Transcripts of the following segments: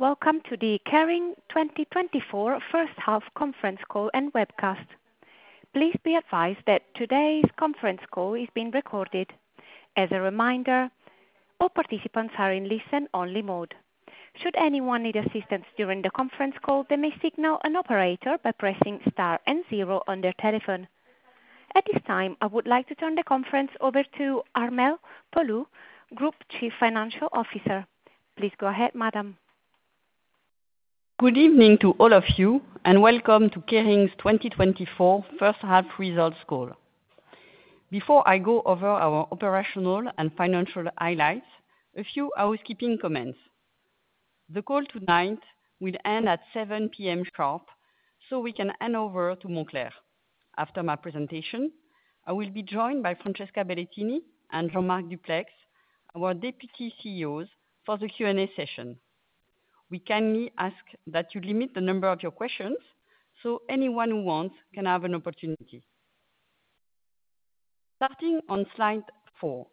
Welcome to the Kering 2024 First Half Conference Call and Webcast. Please be advised that today's conference call is being recorded. As a reminder, all participants are in listen-only mode. Should anyone need assistance during the conference call, they may signal an operator by pressing star and zero on their telephone. At this time, I would like to turn the conference over to Armelle Poulou, Group Chief Financial Officer. Please go ahead, madam. Good evening to all of you, and welcome to Kering's 2024 First Half Results Call. Before I go over our operational and financial highlights, a few housekeeping comments. The call tonight will end at 7:00 P.M. sharp, so we can hand over to Moncler. After my presentation, I will be joined by Francesca Bellettini and Jean-Marc Duplaix, our deputy CEOs, for the Q&A session. We kindly ask that you limit the number of your questions so anyone who wants can have an opportunity. Starting on slide four,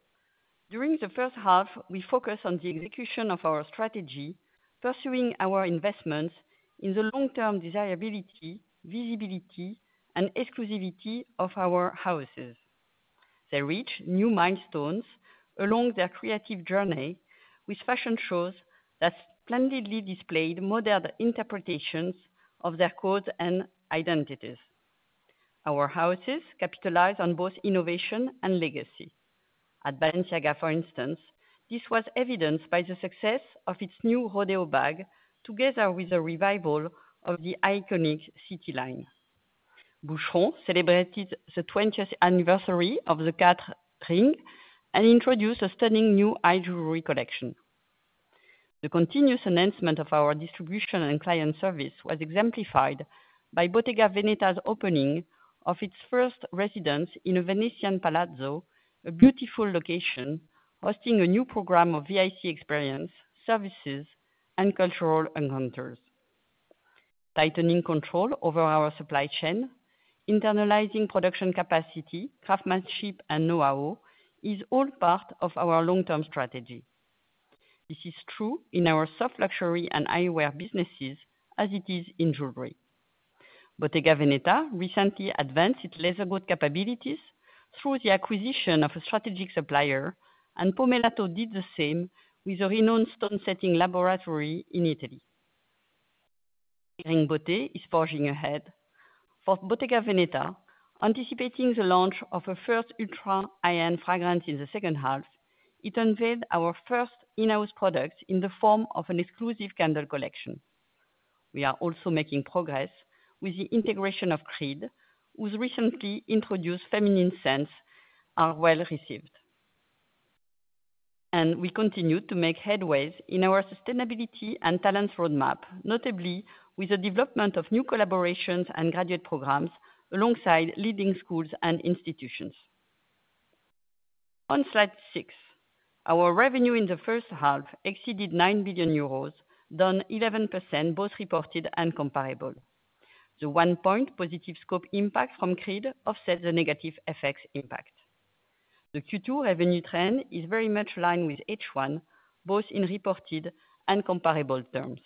during the first half, we focus on the execution of our strategy, pursuing our investments in the long-term desirability, visibility, and exclusivity of our houses. They reach new milestones along their creative journey with fashion shows that splendidly displayed modern interpretations of their codes and identities. Our houses capitalize on both innovation and legacy. At Balenciaga, for instance, this was evidenced by the success of its new Rodeo bag together with the revival of the iconic City Line. Boucheron celebrated the 20th anniversary of the Quatre and introduced a stunning new High Jewelry collection. The continuous enhancement of our distribution and client service was exemplified by Bottega Veneta's opening of its first residence in a Venetian Palazzo, a beautiful location hosting a new program of VIC experience, services, and cultural encounters. Tightening control over our supply chain, internalizing production capacity, craftsmanship, and know-how is all part of our long-term strategy. This is true in our soft luxury and eyewear businesses as it is in jewelry. Bottega Veneta recently advanced its leather goods capabilities through the acquisition of a strategic supplier, and Pomellato did the same with a renowned stone setting laboratory in Italy. Kering Beauté is forging ahead. For Bottega Veneta, anticipating the launch of a first ultra high-end fragrance in the second half, it unveiled our first in-house product in the form of an exclusive candle collection. We are also making progress with the integration of Creed, whose recently introduced feminine scents are well received. We continue to make headway in our sustainability and talents roadmap, notably with the development of new collaborations and graduate programs alongside leading schools and institutions. On slide six, our revenue in the first half exceeded 9 billion euros, down 11% both reported and comparable. The one-point positive scope impact from Creed offsets the negative FX impact. The Q2 revenue trend is very much aligned with H1, both in reported and comparable terms.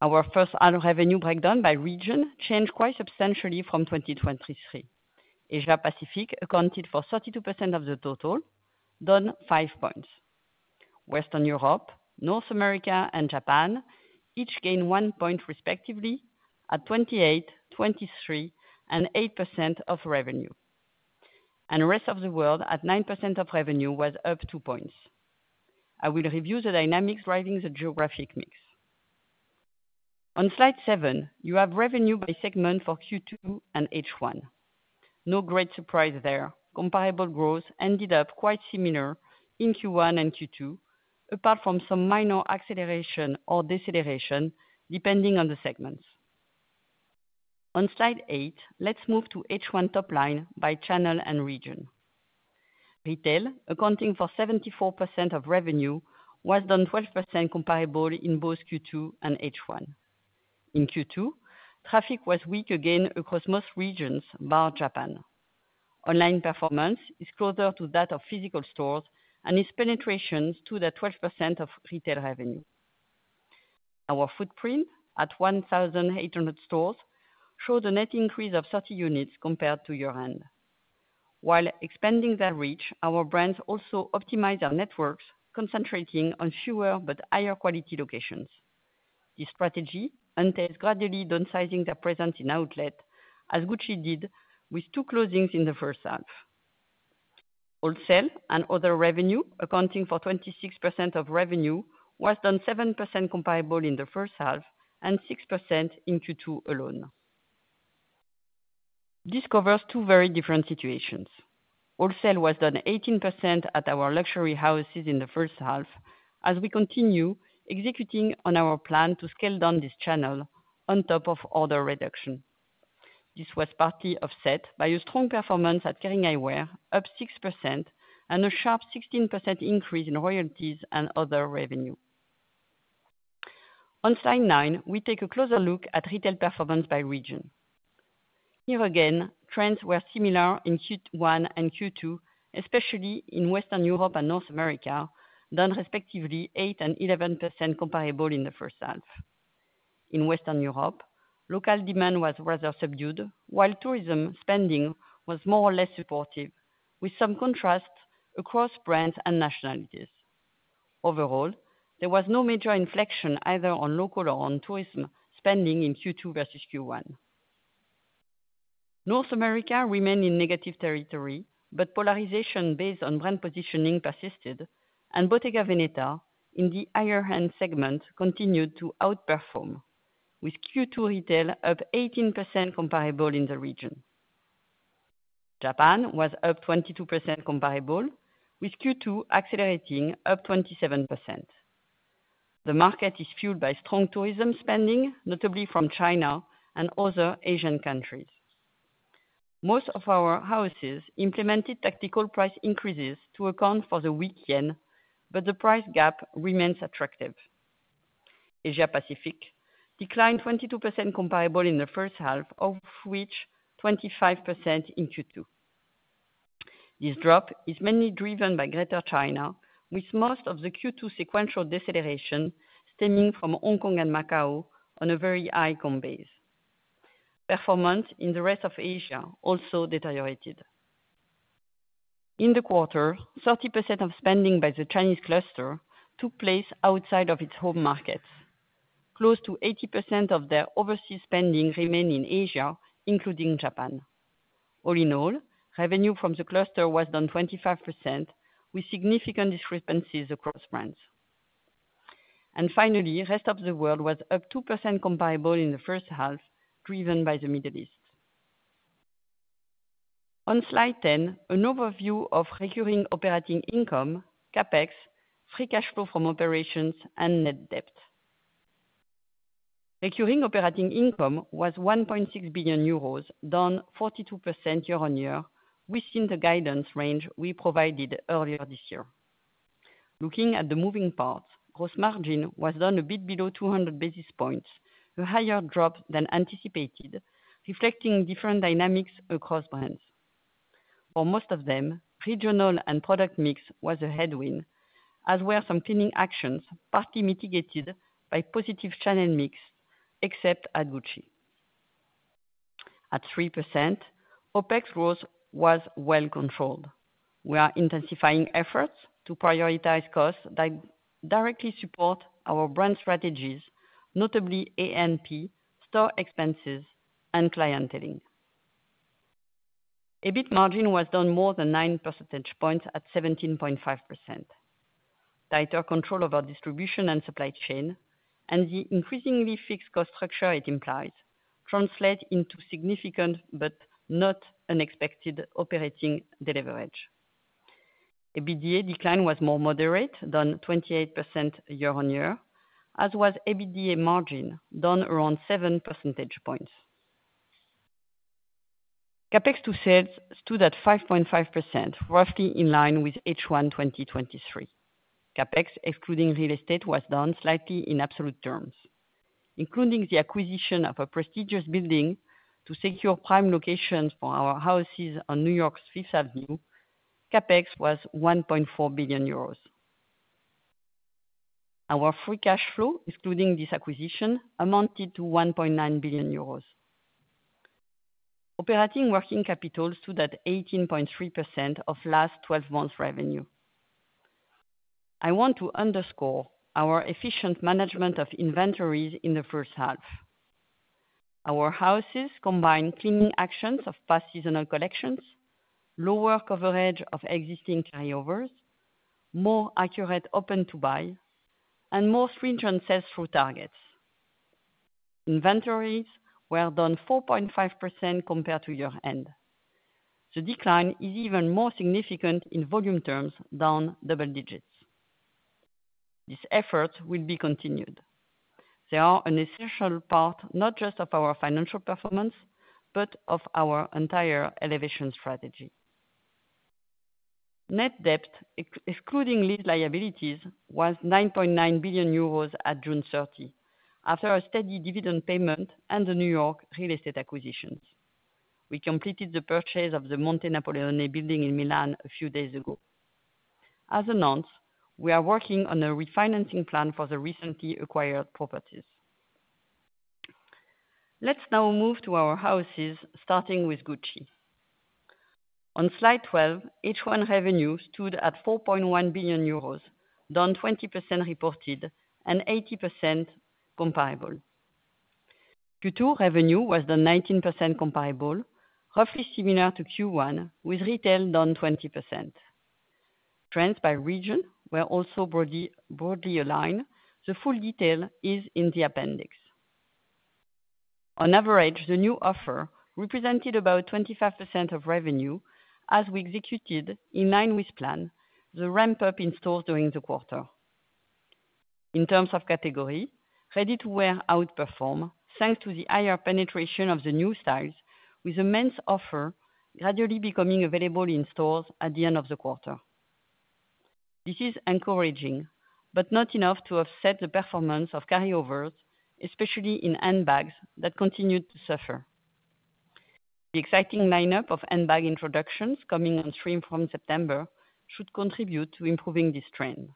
Our first-half revenue breakdown by region changed quite substantially from 2023. Asia-Pacific accounted for 32% of the total, down five points. Western Europe, North America, and Japan each gained one point respectively at 28%, 23%, and 8% of revenue. The rest of the world at 9% of revenue was up two points. I will review the dynamics driving the geographic mix. On slide seven, you have revenue by segment for Q2 and H1. No great surprise there. Comparable growth ended up quite similar in Q1 and Q2, apart from some minor acceleration or deceleration depending on the segments. On slide eight, let's move to H1 top line by channel and region. Retail, accounting for 74% of revenue, was done 12% comparable in both Q2 and H1. In Q2, traffic was weak again across most regions bar Japan. Online performance is closer to that of physical stores and its penetrations to that 12% of retail revenue. Our footprint at 1,800 stores showed a net increase of 30 units compared to year-end. While expanding that reach, our brands also optimized our networks, concentrating on fewer but higher quality locations. This strategy entails gradually downsizing their presence in outlets, as Gucci did with two closings in the first half. Wholesale and other revenue, accounting for 26% of revenue, was down 7% comparable in the first half and 6% in Q2 alone. This covers two very different situations. Wholesale was down 18% at our luxury houses in the first half, as we continue executing on our plan to scale down this channel on top of order reduction. This was partly offset by a strong performance at Kering Eyewear, up 6%, and a sharp 16% increase in royalties and other revenue. On slide nine, we take a closer look at retail performance by region. Here again, trends were similar in Q1 and Q2, especially in Western Europe and North America, down respectively 8% and 11% comparable in the first half. In Western Europe, local demand was rather subdued, while tourism spending was more or less supportive, with some contrast across brands and nationalities. Overall, there was no major inflection either on local or on tourism spending in Q2 versus Q1. North America remained in negative territory, but polarization based on brand positioning persisted, and Bottega Veneta in the higher-end segment continued to outperform, with Q2 retail up 18% comparable in the region. Japan was up 22% comparable, with Q2 accelerating up 27%. The market is fueled by strong tourism spending, notably from China and other Asian countries. Most of our houses implemented tactical price increases to account for the weak yen, but the price gap remains attractive. Asia-Pacific declined 22% comparable in the first half, of which 25% in Q2. This drop is mainly driven by Greater China, with most of the Q2 sequential deceleration stemming from Hong Kong and Macau on a very high comp base. Performance in the rest of Asia also deteriorated. In the quarter, 30% of spending by the Chinese cluster took place outside of its home markets. Close to 80% of their overseas spending remained in Asia, including Japan. All in all, revenue from the cluster was down 25%, with significant discrepancies across brands. Finally, the rest of the world was up 2% comparable in the first half, driven by the Middle East. On slide 10, an overview of recurring operating income, CAPEX, free cash flow from operations, and net debt. Recurring operating income was 1.6 billion euros, down 42% year-on-year, within the guidance range we provided earlier this year. Looking at the moving parts, gross margin was down a bit below 200 basis points, a higher drop than anticipated, reflecting different dynamics across brands. For most of them, regional and product mix was a headwind, as were some cleaning actions partly mitigated by positive channel mix, except at Gucci. At 3%, OPEX growth was well controlled. We are intensifying efforts to prioritize costs that directly support our brand strategies, notably A&P, store expenses, and clienteling. EBIT margin was down more than 9 percentage points at 17.5%. Tighter control over distribution and supply chain, and the increasingly fixed cost structure it implies, translate into significant but not unexpected operating leverage. EBITDA decline was more moderate, down 28% year-on-year, as was EBITDA margin, down around 7 percentage points. CAPEX to sales stood at 5.5%, roughly in line with H1 2023. CAPEX, excluding real estate, was down slightly in absolute terms. Including the acquisition of a prestigious building to secure prime locations for our houses on New York's Fifth Avenue, CAPEX was 1.4 billion euros. Our free cash flow, excluding this acquisition, amounted to 1.9 billion euros. Operating working capital stood at 18.3% of last 12 months' revenue. I want to underscore our efficient management of inventories in the first half. Our houses combined cleaning actions of past seasonal collections, lower coverage of existing carryovers, more accurate open-to-buy, and more stringent sell-through targets. Inventories were down 4.5% compared to year-end. The decline is even more significant in volume terms, down double digits. This effort will be continued. They are an essential part not just of our financial performance, but of our entire elevation strategy. Net debt, excluding lease liabilities, was 9.9 billion euros at June 30, after a steady dividend payment and the New York real estate acquisitions. We completed the purchase of the Via Montenapoleone building in Milan a few days ago. As announced, we are working on a refinancing plan for the recently acquired properties. Let's now move to our houses, starting with Gucci. On slide 12, H1 revenue stood at 4.1 billion euros, down 20% reported and 80% comparable. Q2 revenue was down 19% comparable, roughly similar to Q1, with retail down 20%. Trends by region were also broadly aligned. The full detail is in the appendix. On average, the new offer represented about 25% of revenue, as we executed in line with plan, the ramp-up in stores during the quarter. In terms of category, ready-to-wear outperformed thanks to the higher penetration of the new styles, with the men's offer gradually becoming available in stores at the end of the quarter. This is encouraging, but not enough to offset the performance of carryovers, especially in handbags that continued to suffer. The exciting lineup of handbag introductions coming on stream from September should contribute to improving this trend.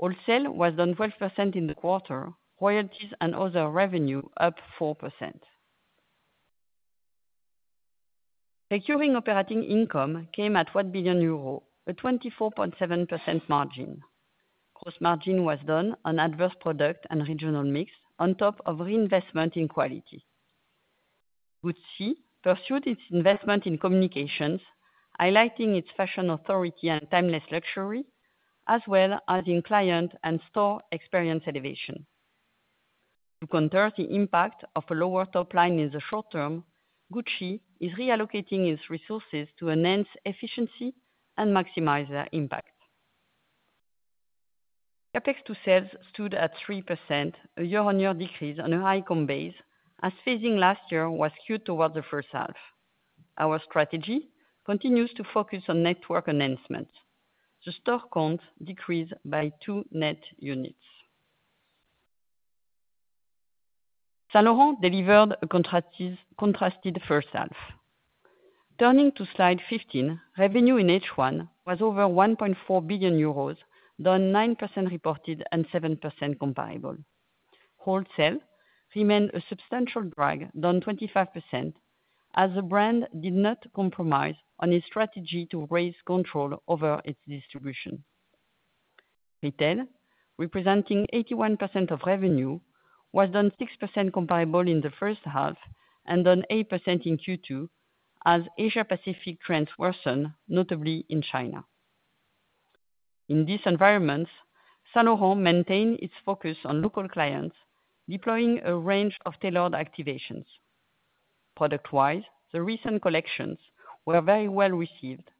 Wholesale was down 12% in the quarter, royalties and other revenue up 4%. Recurring operating income came at 1 billion euros, a 24.7% margin. Gross margin was down on adverse product and regional mix, on top of reinvestment in quality. Gucci pursued its investment in communications, highlighting its fashion authority and timeless luxury, as well as in client and store experience elevation. To counter the impact of a lower top line in the short term, Gucci is reallocating its resources to enhance efficiency and maximize their impact. CapEx to sales stood at 3%, a year-on-year decrease on a high comp base, as phasing last year was skewed towards the first half. Our strategy continues to focus on network enhancements. The store count decreased by two net units. Saint Laurent delivered a contrasted first half. Turning to slide 15, revenue in H1 was over 1.4 billion euros, down 9% reported and 7% comparable. Wholesale remained a substantial drag, down 25%, as the brand did not compromise on its strategy to raise control over its distribution. Retail, representing 81% of revenue, was down 6% comparable in the first half and down 8% in Q2, as Asia-Pacific trends worsened, notably in China. In these environments, Saint Laurent maintained its focus on local clients, deploying a range of tailored activations. Product-wise, the recent collections were very well received,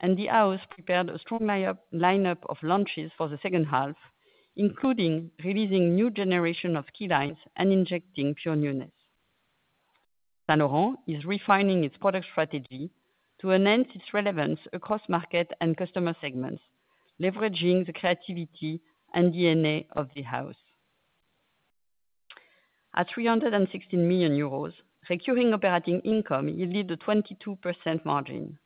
and the house prepared a strong lineup of launches for the second half, including releasing new generation of key lines and injecting pure newness. Saint Laurent is refining its product strategy to enhance its relevance across market and customer segments, leveraging the creativity and DNA of the house. At 316 million euros, recurring operating income yielded a 22% margin.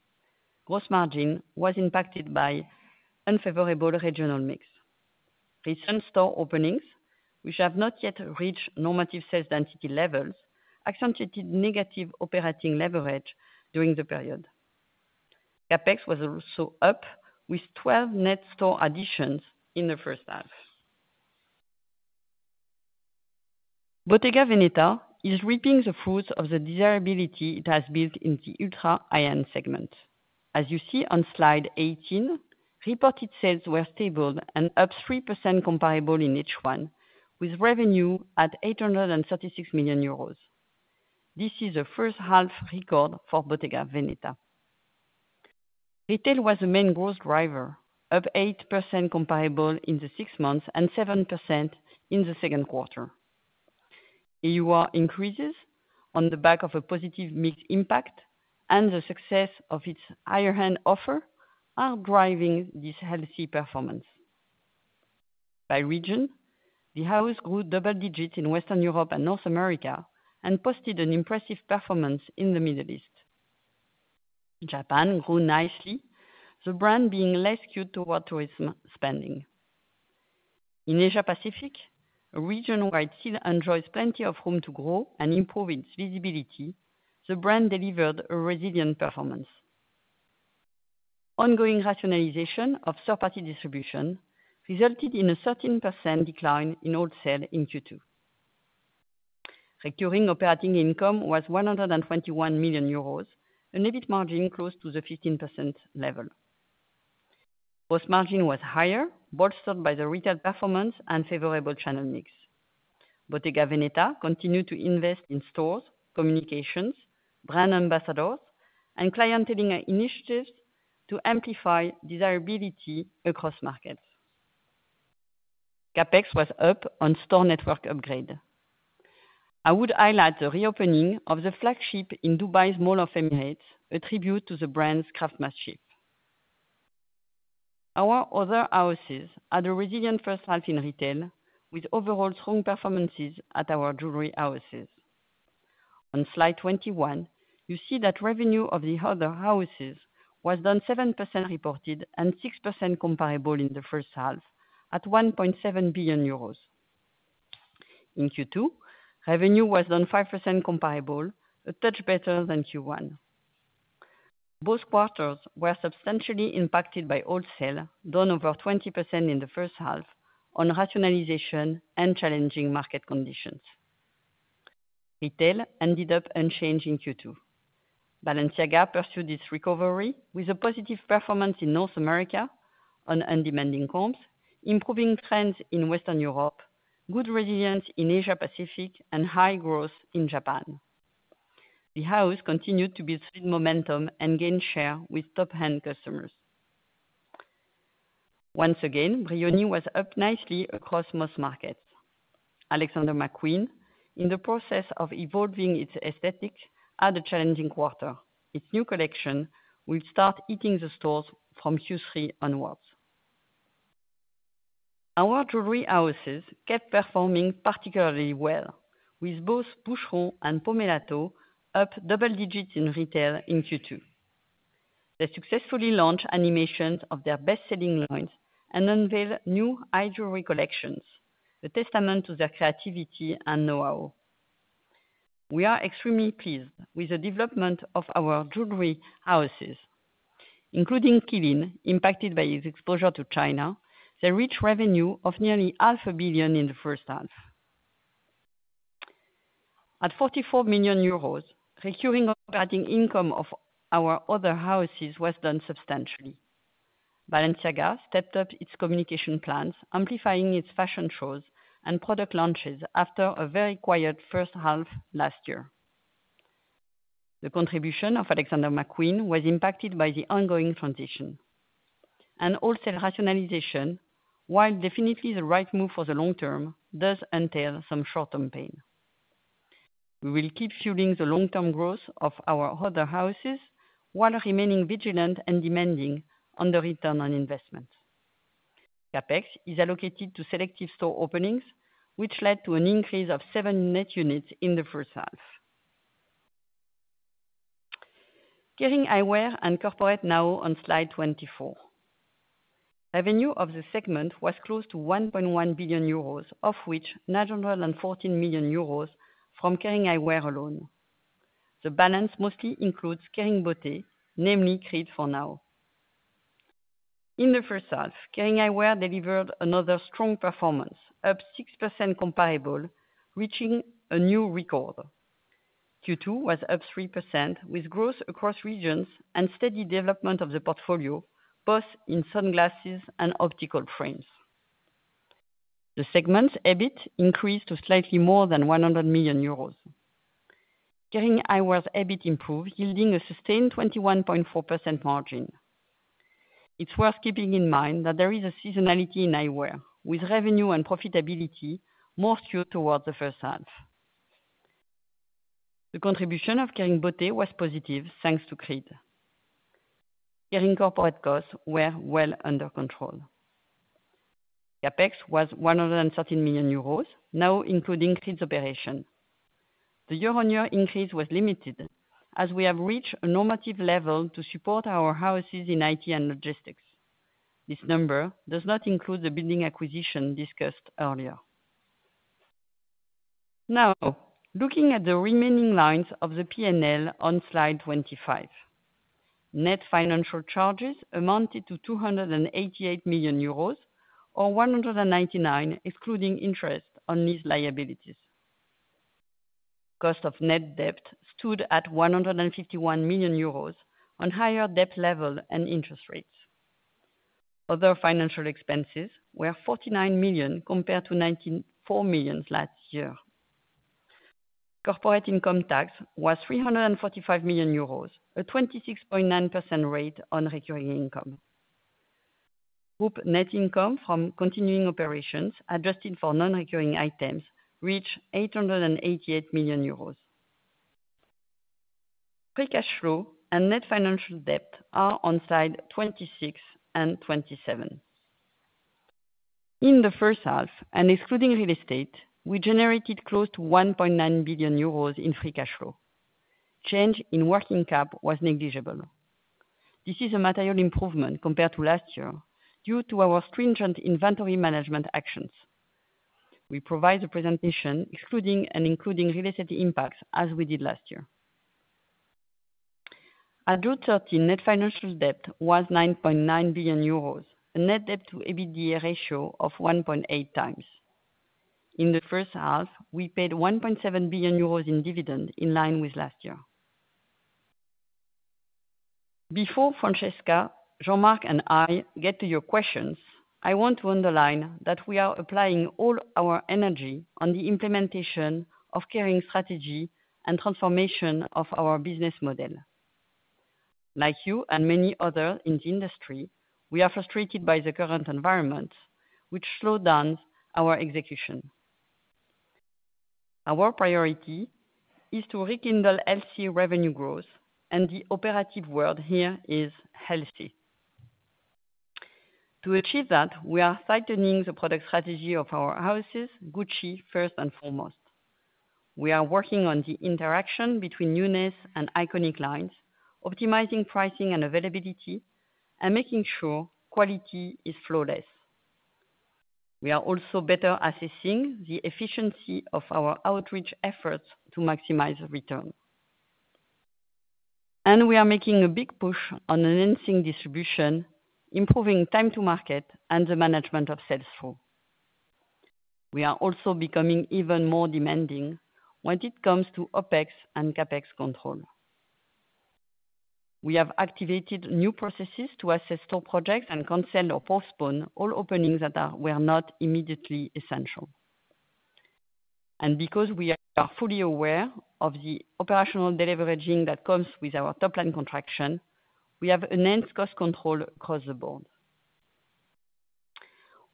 Gross margin was impacted by unfavorable regional mix. Recent store openings, which have not yet reached normative sales density levels, accentuated negative operating leverage during the period. CapEx was also up, with 12 net store additions in the first half. Bottega Veneta is reaping the fruits of the desirability it has built in the ultra high-end segment. As you see on slide 18, reported sales were stable and up 3% comparable in H1, with revenue at 836 million euros. This is a first-half record for Bottega Veneta. Retail was the main growth driver, up 8% comparable in the six months and 7% in the second quarter. AUR increases on the back of a positive mixed impact and the success of its higher-end offer are driving this healthy performance. By region, the house grew double digits in Western Europe and North America and posted an impressive performance in the Middle East. Japan grew nicely, the brand being less skewed toward tourism spending. In Asia-Pacific, a region where it still enjoys plenty of room to grow and improve its visibility, the brand delivered a resilient performance. Ongoing rationalization of third-party distribution resulted in a 13% decline in wholesale in Q2. Recurring operating income was 121 million euros, an EBIT margin close to the 15% level. Gross margin was higher, bolstered by the retail performance and favorable channel mix. Bottega Veneta continued to invest in stores, communications, brand ambassadors, and clienteling initiatives to amplify desirability across markets. CapEx was up on store network upgrade. I would highlight the reopening of the flagship in Dubai's Mall of Emirates, a tribute to the brand's craftsmanship. Our other houses had a resilient first half in retail, with overall strong performances at our jewelry houses. On slide 21, you see that revenue of the other houses was down 7% reported and 6% comparable in the first half, at 1.7 billion euros. In Q2, revenue was down 5% comparable, a touch better than Q1. Both quarters were substantially impacted by wholesale, down over 20% in the first half, on rationalization and challenging market conditions. Retail ended up unchanged in Q2. Balenciaga pursued its recovery with a positive performance in North America on undemanding comps, improving trends in Western Europe, good resilience in Asia-Pacific, and high growth in Japan. The house continued to build speed momentum and gain share with top-end customers. Once again, Brioni was up nicely across most markets. Alexander McQueen, in the process of evolving its aesthetic, had a challenging quarter. Its new collection will start hitting the stores from Q3 onwards. Our jewelry houses kept performing particularly well, with both Boucheron and Pomellato up double digits in retail in Q2. They successfully launched animations of their best-selling lines and unveiled new High Jewelry collections, a testament to their creativity and know-how. We are extremely pleased with the development of our jewelry houses. Including Qeelin, impacted by his exposure to China, they reached revenue of nearly 500 million in the first half. At 44 million euros, recurring operating income of our other houses was down substantially. Balenciaga stepped up its communication plans, amplifying its fashion shows and product launches after a very quiet first half last year. The contribution of Alexander McQueen was impacted by the ongoing transition. Wholesale rationalization, while definitely the right move for the long term, does entail some short-term pain. We will keep fueling the long-term growth of our other houses while remaining vigilant and demanding on the return on investment. CapEx is allocated to selective store openings, which led to an increase of seven net units in the first half. Kering Eyewear and Kering Corporate now on slide 24. Revenue of the segment was close to 1.1 billion euros, of which 914 million euros from Kering Eyewear alone. The balance mostly includes Kering Beauté, namely Creed for now. In the first half, Kering Eyewear delivered another strong performance, up 6% comparable, reaching a new record. Q2 was up 3%, with growth across regions and steady development of the portfolio, both in sunglasses and optical frames. The segment's EBIT increased to slightly more than 100 million euros. Kering Eyewear's EBIT improved, yielding a sustained 21.4% margin. It's worth keeping in mind that there is a seasonality in eyewear, with revenue and profitability more skewed towards the first half. The contribution of Kering Beauté was positive, thanks to Creed. Kering Corporate costs were well under control. CapEx was 113 million euros, now including Creed's operation. The year-on-year increase was limited, as we have reached a normative level to support our houses in IT and logistics. This number does not include the building acquisition discussed earlier. Now, looking at the remaining lines of the P&L on slide 25. Net financial charges amounted to 288 million euros, or 199 million excluding interest on lease liabilities. Cost of net debt stood at 151 million euros on higher debt level and interest rates. Other financial expenses were 49 million compared to 94 million last year. Corporate income tax was 345 million euros, a 26.9% rate on recurring income. Group net income from continuing operations, adjusted for non-recurring items, reached 888 million euros. Free cash flow and net financial debt are on slide 26 and 27. In the first half, and excluding real estate, we generated close to 1.9 billion euros in free cash flow. Change in working cap was negligible. This is a material improvement compared to last year due to our stringent inventory management actions. We provide the presentation excluding and including real estate impacts as we did last year. At June 13, net financial debt was 9.9 billion euros, a net debt to EBITDA ratio of 1.8x. In the first half, we paid 1.7 billion euros in dividend in line with last year. Before Francesca, Jean-Marc, and I get to your questions, I want to underline that we are applying all our energy on the implementation of Kering strategy and transformation of our business model. Like you and many others in the industry, we are frustrated by the current environment, which slowed down our execution. Our priority is to rekindle healthy revenue growth, and the operative word here is healthy. To achieve that, we are tightening the product strategy of our houses, Gucci first and foremost. We are working on the interaction between newness and iconic lines, optimizing pricing and availability, and making sure quality is flawless. We are also better assessing the efficiency of our outreach efforts to maximize return. And we are making a big push on enhancing distribution, improving time to market, and the management of sales flow. We are also becoming even more demanding when it comes to OpEx and CapEx control. We have activated new processes to assess store projects and cancel or postpone all openings that were not immediately essential. Because we are fully aware of the operational deleveraging that comes with our top-line contraction, we have enhanced cost control across the board.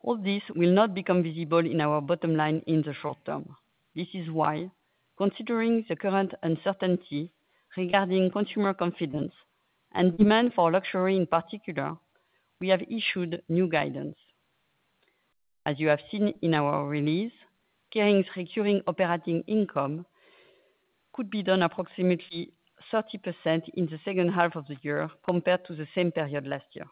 All this will not become visible in our bottom line in the short term. This is why, considering the current uncertainty regarding consumer confidence and demand for luxury in particular, we have issued new guidance. As you have seen in our release, Kering's recurring operating income could be down approximately 30% in the second half of the year compared to the same period last year.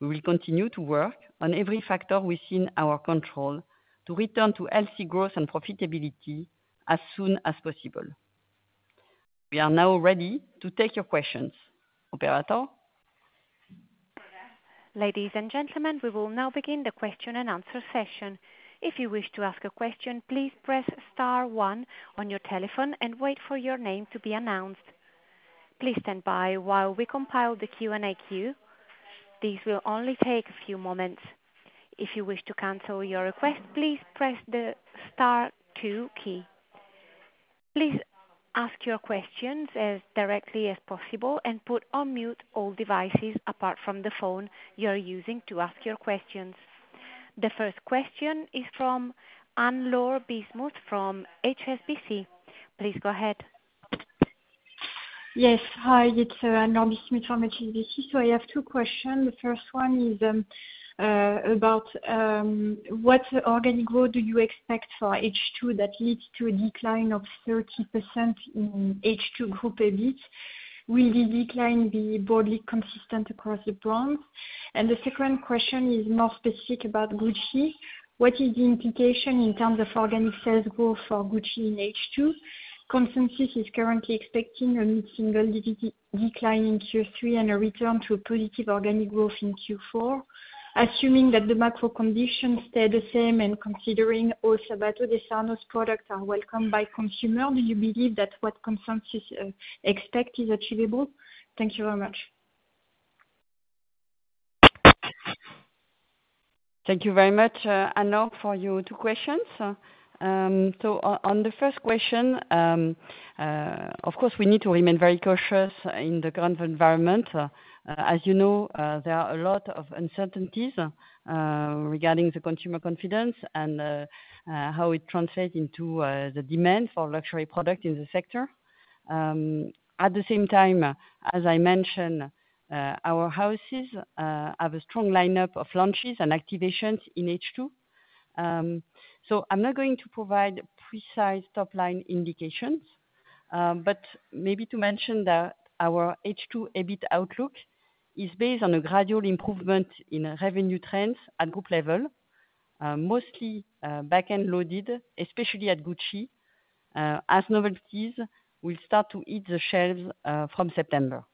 We will continue to work on every factor within our control to return to healthy growth and profitability as soon as possible. We are now ready to take your questions, Operator. Ladies and gentlemen, we will now begin the question and answer session. If you wish to ask a question, please press star one on your telephone and wait for your name to be announced. Please stand by while we compile the Q&A queue. This will only take a few moments. If you wish to cancel your request, please press the star two key. Please ask your questions as directly as possible and put on mute all devices apart from the phone you are using to ask your questions. The first question is from Anne-Laure Bismuth from HSBC. Please go ahead. Yes, hi. It's Anne-Laure Bismuth from HSBC. So I have two questions. The first one is about what organic growth do you expect for H2 that leads to a decline of 30% in H2 group EBIT? Will the decline be broadly consistent across the brand? And the second question is more specific about Gucci. What is the implication in terms of organic sales growth for Gucci in H2? Consensus is currently expecting a mid-single EBIT decline in Q3 and a return to positive organic growth in Q4. Assuming that the macro conditions stay the same and considering also that all designers' products are welcomed by consumers, do you believe that what consensus expects is achievable? Thank you very much. Thank you very much, Anne, for your two questions. On the first question, of course, we need to remain very cautious in the current environment. As you know, there are a lot of uncertainties regarding the consumer confidence and how it translates into the demand for luxury products in the sector. At the same time, as I mentioned, our houses have a strong lineup of launches and activations in H2. So I'm not going to provide precise top-line indications, but maybe to mention that our H2 EBIT outlook is based on a gradual improvement in revenue trends at group level, mostly back-end loaded, especially at Gucci, as novelty will start to eat the shelves from September.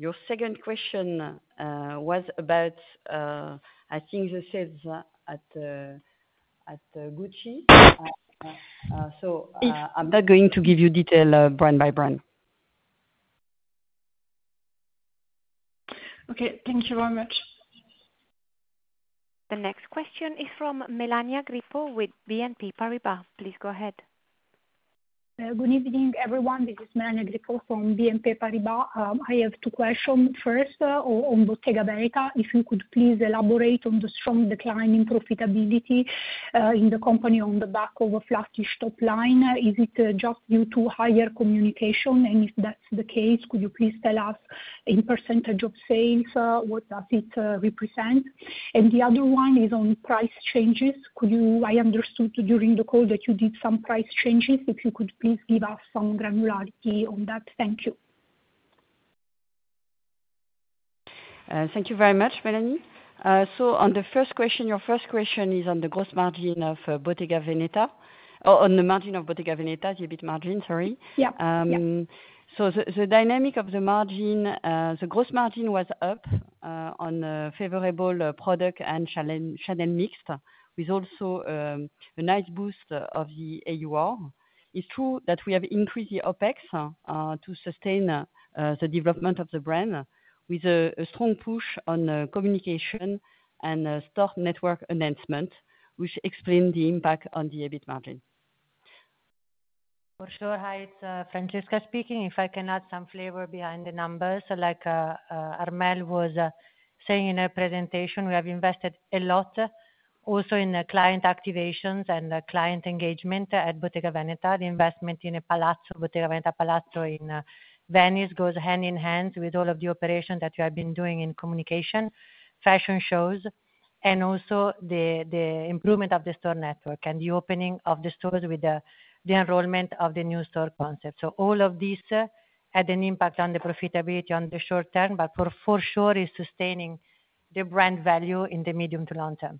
Your second question was about, I think, the sales at Gucci. So I'm not going to give you detail brand by brand. Okay. Thank you very much. The next question is from Melania Grippo with BNP Paribas. Please go ahead. Good evening, everyone. This is Melania Grippo from BNP Paribas. I have two questions. First, on Bottega Veneta, if you could please elaborate on the strong decline in profitability in the company on the back of a flattish top line. Is it just due to higher communication? If that's the case, could you please tell us in percentage of sales what does it represent? The other one is on price changes. I understood during the call that you did some price changes. If you could please give us some granularity on that. Thank you. Thank you very much, Melania. On the first question, your first question is on the gross margin of Bottega Veneta or on the margin of Bottega Veneta, the EBIT margin, sorry. The dynamic of the margin, the gross margin was up on favorable product and channel mix with also a nice boost of the AUR. It's true that we have increased the OPEX to sustain the development of the brand with a strong push on communication and store network enhancement, which explains the impact on the EBIT margin. For sure, hi, it's Francesca speaking. If I can add some flavor behind the numbers, like Armelle was saying in her presentation, we have invested a lot also in client activations and client engagement at Bottega Veneta. The investment in a Palazzo, Bottega Veneta Palazzo in Venice, goes hand in hand with all of the operations that we have been doing in communication, fashion shows, and also the improvement of the store network and the opening of the stores with the enrollment of the new store concept. So all of these had an impact on the profitability on the short term, but for sure is sustaining the brand value in the medium to long term.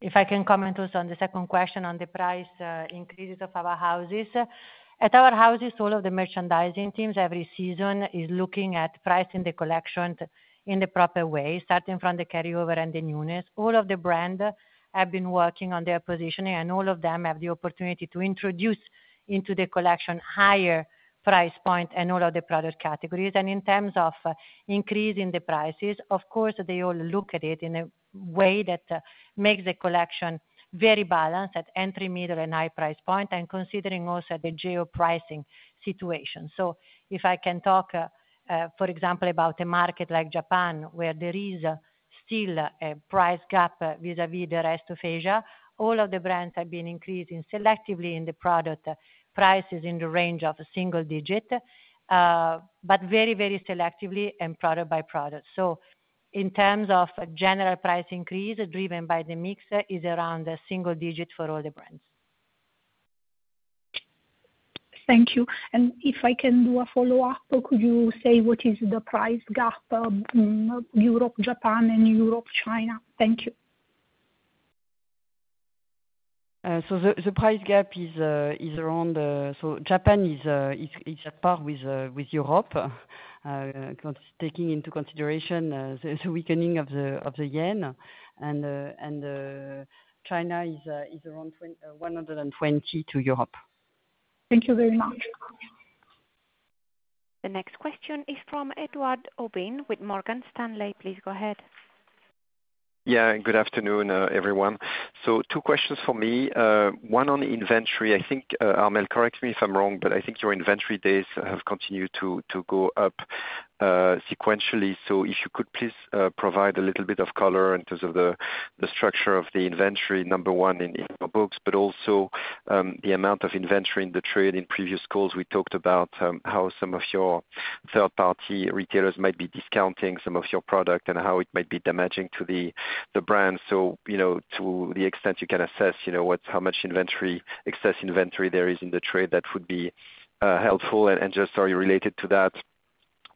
If I can comment also on the second question on the price increases of our houses. At our houses, all of the merchandising teams every season are looking at pricing the collection in the proper way, starting from the carryover and the newness. All of the brands have been working on their positioning, and all of them have the opportunity to introduce into the collection higher price points and all of the product categories. In terms of increasing the prices, of course, they all look at it in a way that makes the collection very balanced at entry, middle, and high price points, and considering also the geo-pricing situation. If I can talk, for example, about a market like Japan, where there is still a price gap vis-à-vis the rest of Asia, all of the brands have been increasing selectively in the product prices in the range of single-digit, but very, very selectively and product by product. So in terms of general price increase driven by the mix, it is around a single digit for all the brands. Thank you. And if I can do a follow-up, could you say what is the price gap of Europe, Japan, and Europe, China? Thank you. So the price gap is around, so Japan is at par with Europe because taking into consideration the weakening of the yen, and China is around 120 to Europe. Thank you very much. The next question is from Edouard Aubin with Morgan Stanley. Please go ahead. Yeah, good afternoon, everyone. So two questions for me. One on inventory. I think Armelle, correct me if I'm wrong, but I think your inventory days have continued to go up sequentially. So if you could please provide a little bit of color in terms of the structure of the inventory, number one in your books, but also the amount of inventory in the trade in previous calls. We talked about how some of your third-party retailers might be discounting some of your product and how it might be damaging to the brand. So to the extent you can assess how much excess inventory there is in the trade, that would be helpful. And just related to that,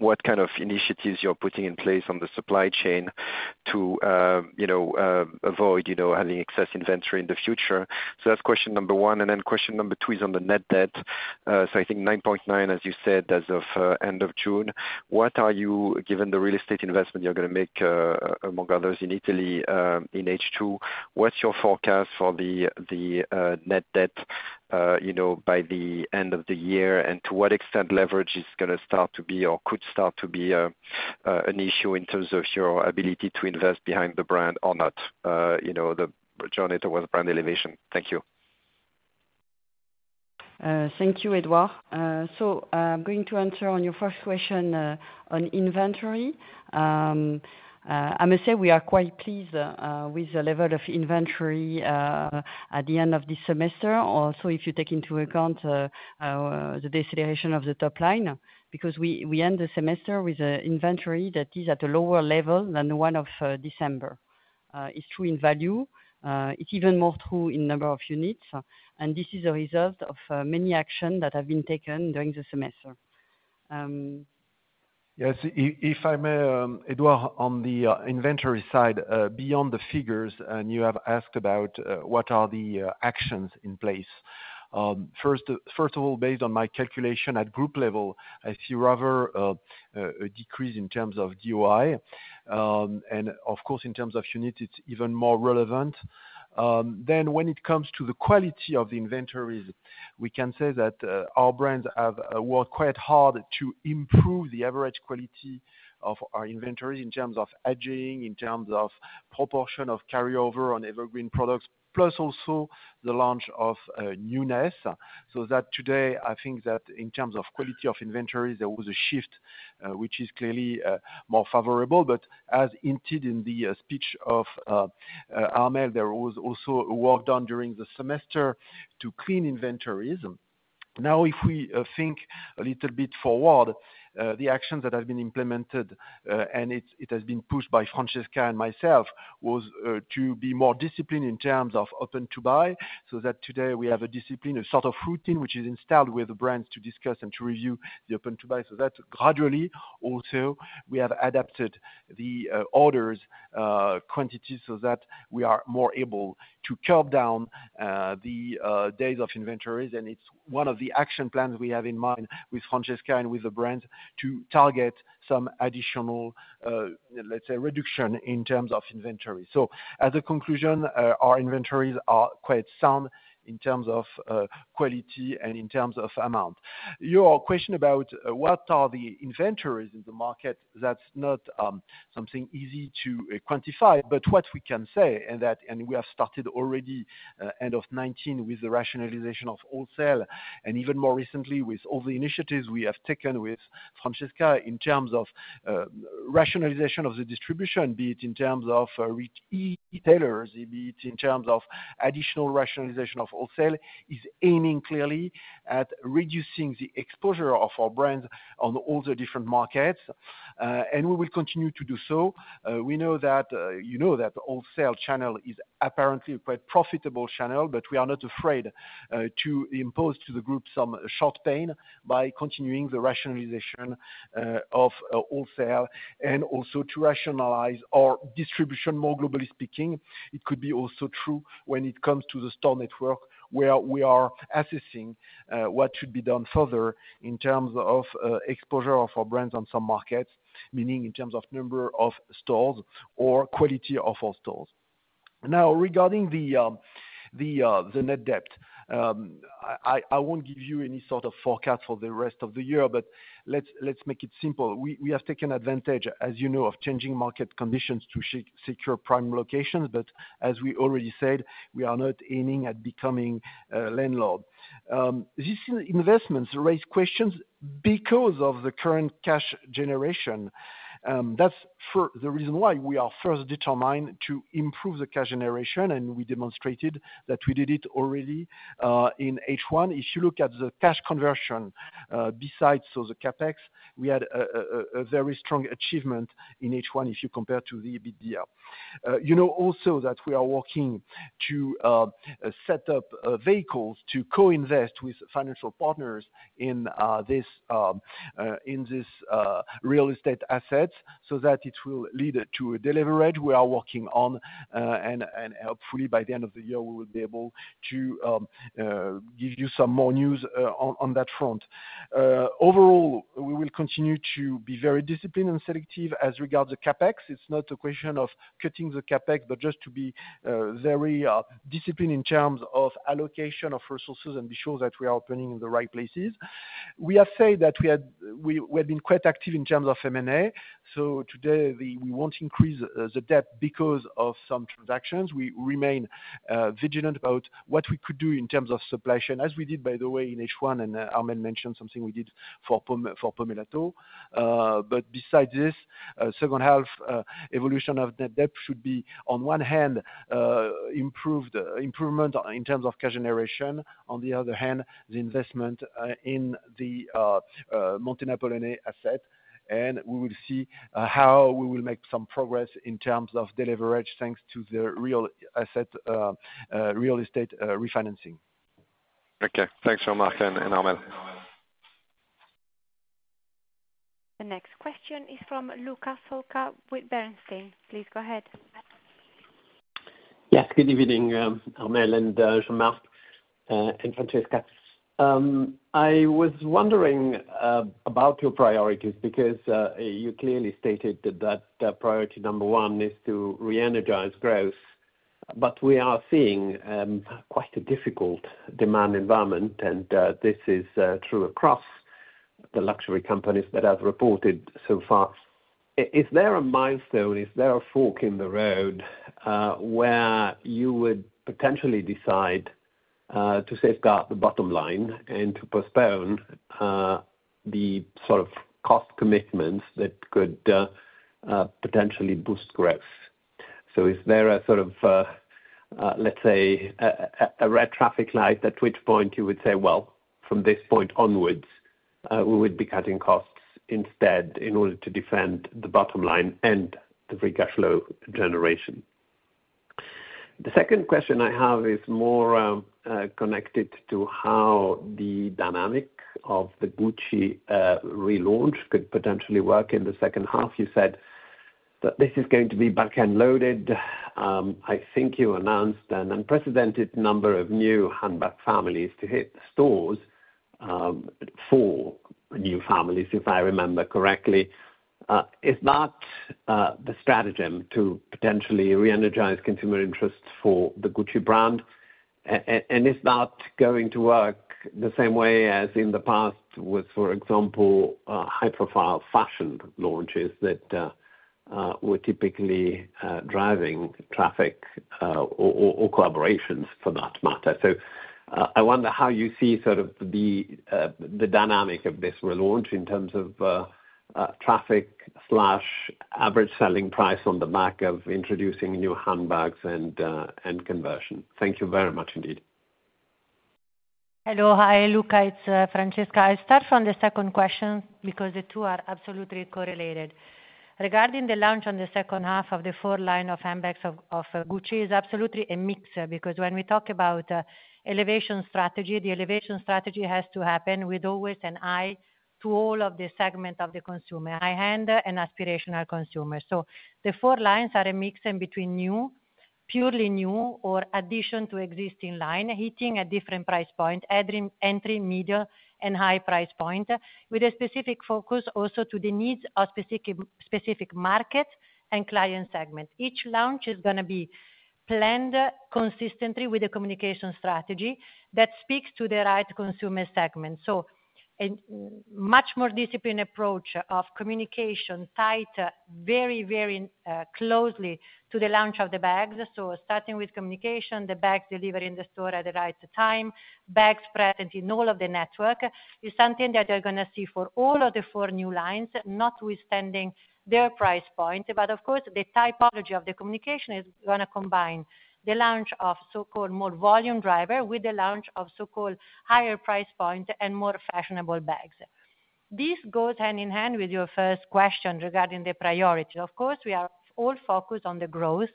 what kind of initiatives you're putting in place on the supply chain to avoid having excess inventory in the future? So that's question number one. And then question number two is on the net debt. So I think 9.9, as you said, as of end of June. What are you, given the real estate investment you're going to make among others in Italy in H2, what's your forecast for the net debt by the end of the year? And to what extent leverage is going to start to be or could start to be an issue in terms of your ability to invest behind the brand or not? The journey towards brand elevation. Thank you. Thank you, Edouard. So I'm going to answer on your first question on inventory. I must say we are quite pleased with the level of inventory at the end of this semester, also if you take into account the deceleration of the top line, because we end the semester with an inventory that is at a lower level than the one of December. It's true in value. It's even more true in number of units. This is a result of many actions that have been taken during the semester. Yes, if I may, Edouard, on the inventory side, beyond the figures, and you have asked about what are the actions in place. First of all, based on my calculation at group level, I see rather a decrease in terms of DOI. Of course, in terms of units, it's even more relevant. When it comes to the quality of the inventories, we can say that our brands have worked quite hard to improve the average quality of our inventories in terms of aging, in terms of proportion of carryover on evergreen products, plus also the launch of newness. That today, I think that in terms of quality of inventories, there was a shift which is clearly more favorable. But as hinted in the speech of Armelle, there was also work done during the semester to clean inventories. Now, if we think a little bit forward, the actions that have been implemented, and it has been pushed by Francesca and myself, was to be more disciplined in terms of open-to-buy, so that today we have a discipline, a sort of routine which is installed with the brands to discuss and to review the open-to-buy. So that gradually, also, we have adapted the orders quantities so that we are more able to curb down the days of inventories. And it's one of the action plans we have in mind with Francesca and with the brands to target some additional, let's say, reduction in terms of inventory. So as a conclusion, our inventories are quite sound in terms of quality and in terms of amount. Your question about what are the inventories in the market, that's not something easy to quantify, but what we can say, and we have started already end of 2019 with the rationalization of wholesale and even more recently with all the initiatives we have taken with Francesca in terms of rationalization of the distribution, be it in terms of retailers, be it in terms of additional rationalization of wholesale, is aiming clearly at reducing the exposure of our brands on all the different markets. We will continue to do so. We know that wholesale channel is apparently a quite profitable channel, but we are not afraid to impose to the group some short pain by continuing the rationalization of wholesale and also to rationalize our distribution, more globally speaking. It could be also true when it comes to the store network where we are assessing what should be done further in terms of exposure of our brands on some markets, meaning in terms of number of stores or quality of our stores. Now, regarding the net debt, I won't give you any sort of forecast for the rest of the year, but let's make it simple. We have taken advantage, as you know, of changing market conditions to secure prime locations, but as we already said, we are not aiming at becoming landlord. These investments raise questions because of the current cash generation. That's the reason why we are first determined to improve the cash generation, and we demonstrated that we did it already in H1. If you look at the cash conversion besides the CapEx, we had a very strong achievement in H1 if you compare to the EBITDA. You know also that we are working to set up vehicles to co-invest with financial partners in this real estate assets so that it will lead to a delivery we are working on, and hopefully by the end of the year, we will be able to give you some more news on that front. Overall, we will continue to be very disciplined and selective as regards the CapEx. It's not a question of cutting the CapEx, but just to be very disciplined in terms of allocation of resources and be sure that we are opening in the right places. We have said that we have been quite active in terms of M&A. So today, we won't increase the debt because of some transactions. We remain vigilant about what we could do in terms of supply chain, as we did, by the way, in H1, and Armelle mentioned something we did for Pomellato. But besides this, second-half evolution of net debt should be, on one hand, improvement in terms of cash generation. On the other hand, the investment in the Montenapoleone asset, and we will see how we will make some progress in terms of delivery thanks to the real estate refinancing. Okay. Thanks, Jean-Marc and Armelle. The next question is from Luca Solca with Bernstein. Please go ahead. Yes, good evening, Armelle, Jean-Marc, and Francesca. I was wondering about your priorities because you clearly stated that priority number one is to re-energize growth, but we are seeing quite a difficult demand environment, and this is true across the luxury companies that have reported so far. Is there a milestone? Is there a fork in the road where you would potentially decide to safeguard the bottom line and to postpone the sort of cost commitments that could potentially boost growth? So is there a sort of, let's say, a red traffic light at which point you would say, "Well, from this point onwards, we would be cutting costs instead in order to defend the bottom line and the free cash flow generation"? The second question I have is more connected to how the dynamic of the Gucci relaunch could potentially work in the second half. You said that this is going to be back-loaded. I think you announced an unprecedented number of new handbag families to hit stores for new families, if I remember correctly. Is that the stratagem to potentially re-energize consumer interest for the Gucci brand? Is that going to work the same way as in the past with, for example, high-profile fashion launches that were typically driving traffic or collaborations for that matter? So I wonder how you see sort of the dynamic of this relaunch in terms of traffic/average selling price on the back of introducing new handbags and conversion. Thank you very much indeed. Hello. Hi, Luca. It's Francesca. I'll start from the second question because the two are absolutely correlated. Regarding the launch in the second half of the core line of handbags of Gucci, it is absolutely a mix because when we talk about elevation strategy, the elevation strategy has to happen with always an eye to all of the segment of the consumer, high-end and aspirational consumers. So the four lines are a mix in between new, purely new, or addition to existing line, hitting a different price point, entry, middle, and high price point, with a specific focus also to the needs of specific market and client segment. Each launch is going to be planned consistently with a communication strategy that speaks to the right consumer segment. So a much more disciplined approach of communication tied very, very closely to the launch of the bags. So starting with communication, the bags delivered in the store at the right time, bags present in all of the network is something that they're going to see for all of the four new lines, notwithstanding their price point. But of course, the typology of the communication is going to combine the launch of so-called more volume driver with the launch of so-called higher price point and more fashionable bags. This goes hand in hand with your first question regarding the priority. Of course, we are all focused on the growth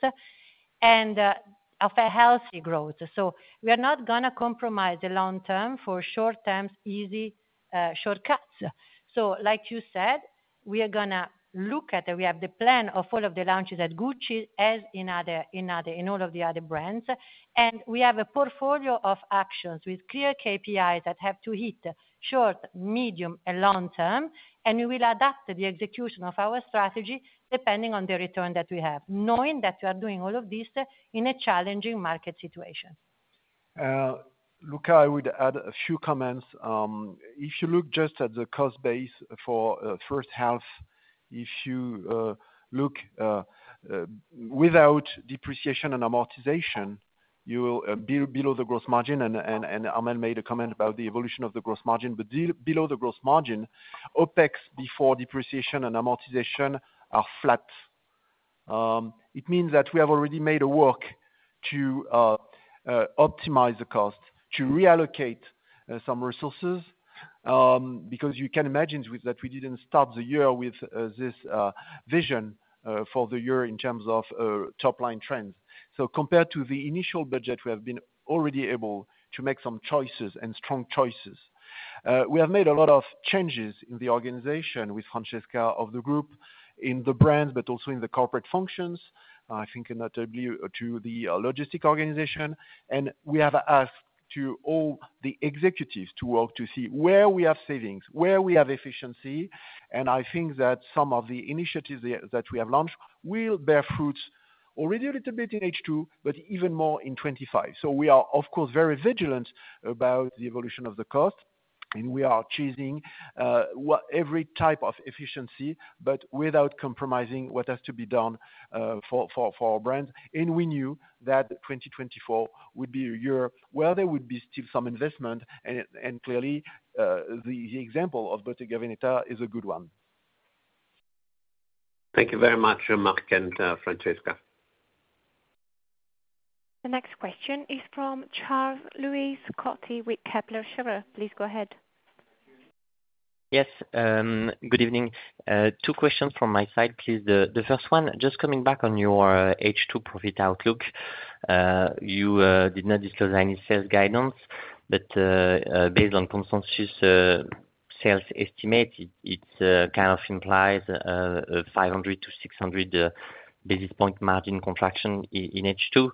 and of a healthy growth. So we are not going to compromise the long term for short-term easy shortcuts. So like you said, we are going to look at the we have the plan of all of the launches at Gucci as in all of the other brands. And we have a portfolio of actions with clear KPIs that have to hit short, medium, and long term, and we will adapt the execution of our strategy depending on the return that we have, knowing that we are doing all of this in a challenging market situation. Luca, I would add a few comments. If you look just at the cost base for first half, if you look without depreciation and amortization, you will be below the gross margin. Armelle made a comment about the evolution of the gross margin, but below the gross margin, OpEx before depreciation and amortization are flat. It means that we have already made a work to optimize the cost, to reallocate some resources because you can imagine that we didn't start the year with this vision for the year in terms of top-line trends. So compared to the initial budget, we have been already able to make some choices and strong choices. We have made a lot of changes in the organization with Francesca of the group in the brands, but also in the corporate functions, I think notably to the logistics organization. We have asked all the executives to work to see where we have savings, where we have efficiency. I think that some of the initiatives that we have launched will bear fruit already a little bit in H2, but even more in 2025. So we are, of course, very vigilant about the evolution of the cost, and we are choosing every type of efficiency, but without compromising what has to be done for our brands. And we knew that 2024 would be a year where there would be still some investment, and clearly, the example of Bottega Veneta is a good one. Thank you very much, Jean-Marc and Francesca. The next question is from Charles-Louis Scotti with Kepler Cheuvreux. Please go ahead. Yes. Good evening. Two questions from my side, please. The first one, just coming back on your H2 profit outlook, you did not disclose any sales guidance, but based on consensus sales estimate, it kind of implies a 500-600 basis point margin contraction in H2,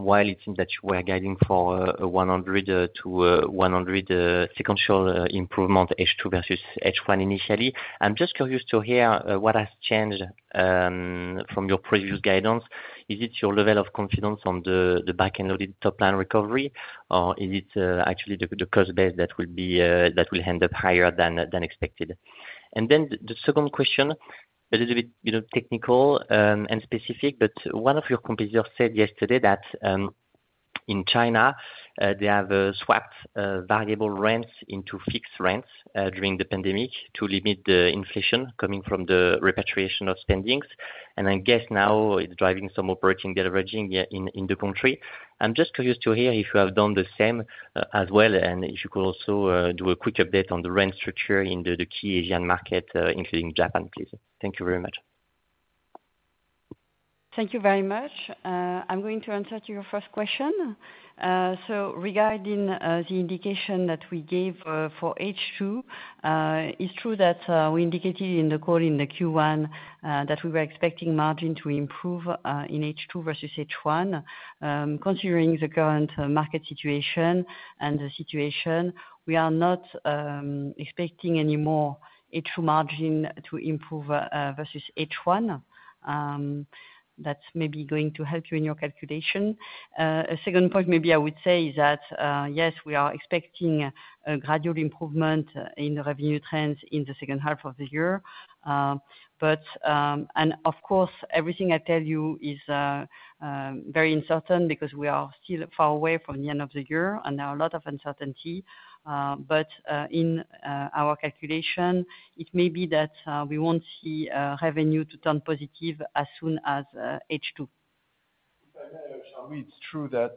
while it seems that you were guiding for a 100-100 sequential improvement H2 versus H1 initially. I'm just curious to hear what has changed from your previous guidance. Is it your level of confidence on the backhand loaded top-line recovery, or is it actually the cost base that will end up higher than expected? Then the second question, a little bit technical and specific, but one of your competitors said yesterday that in China, they have swapped variable rents into fixed rents during the pandemic to limit the inflation coming from the repatriation of spendings. And I guess now it's driving some operating delivery in the country. I'm just curious to hear if you have done the same as well, and if you could also do a quick update on the rent structure in the key Asian market, including Japan, please. Thank you very much. Thank you very much. I'm going to answer to your first question. So regarding the indication that we gave for H2, it's true that we indicated in the call in the Q1 that we were expecting margin to improve in H2 versus H1. Considering the current market situation and the situation, we are not expecting any more H2 margin to improve versus H1. That's maybe going to help you in your calculation. A second point maybe I would say is that, yes, we are expecting a gradual improvement in the revenue trends in the second half of the year. But, and of course, everything I tell you is very uncertain because we are still far away from the end of the year and there are a lot of uncertainty. But in our calculation, it may be that we won't see revenue to turn positive as soon as H2. It's true that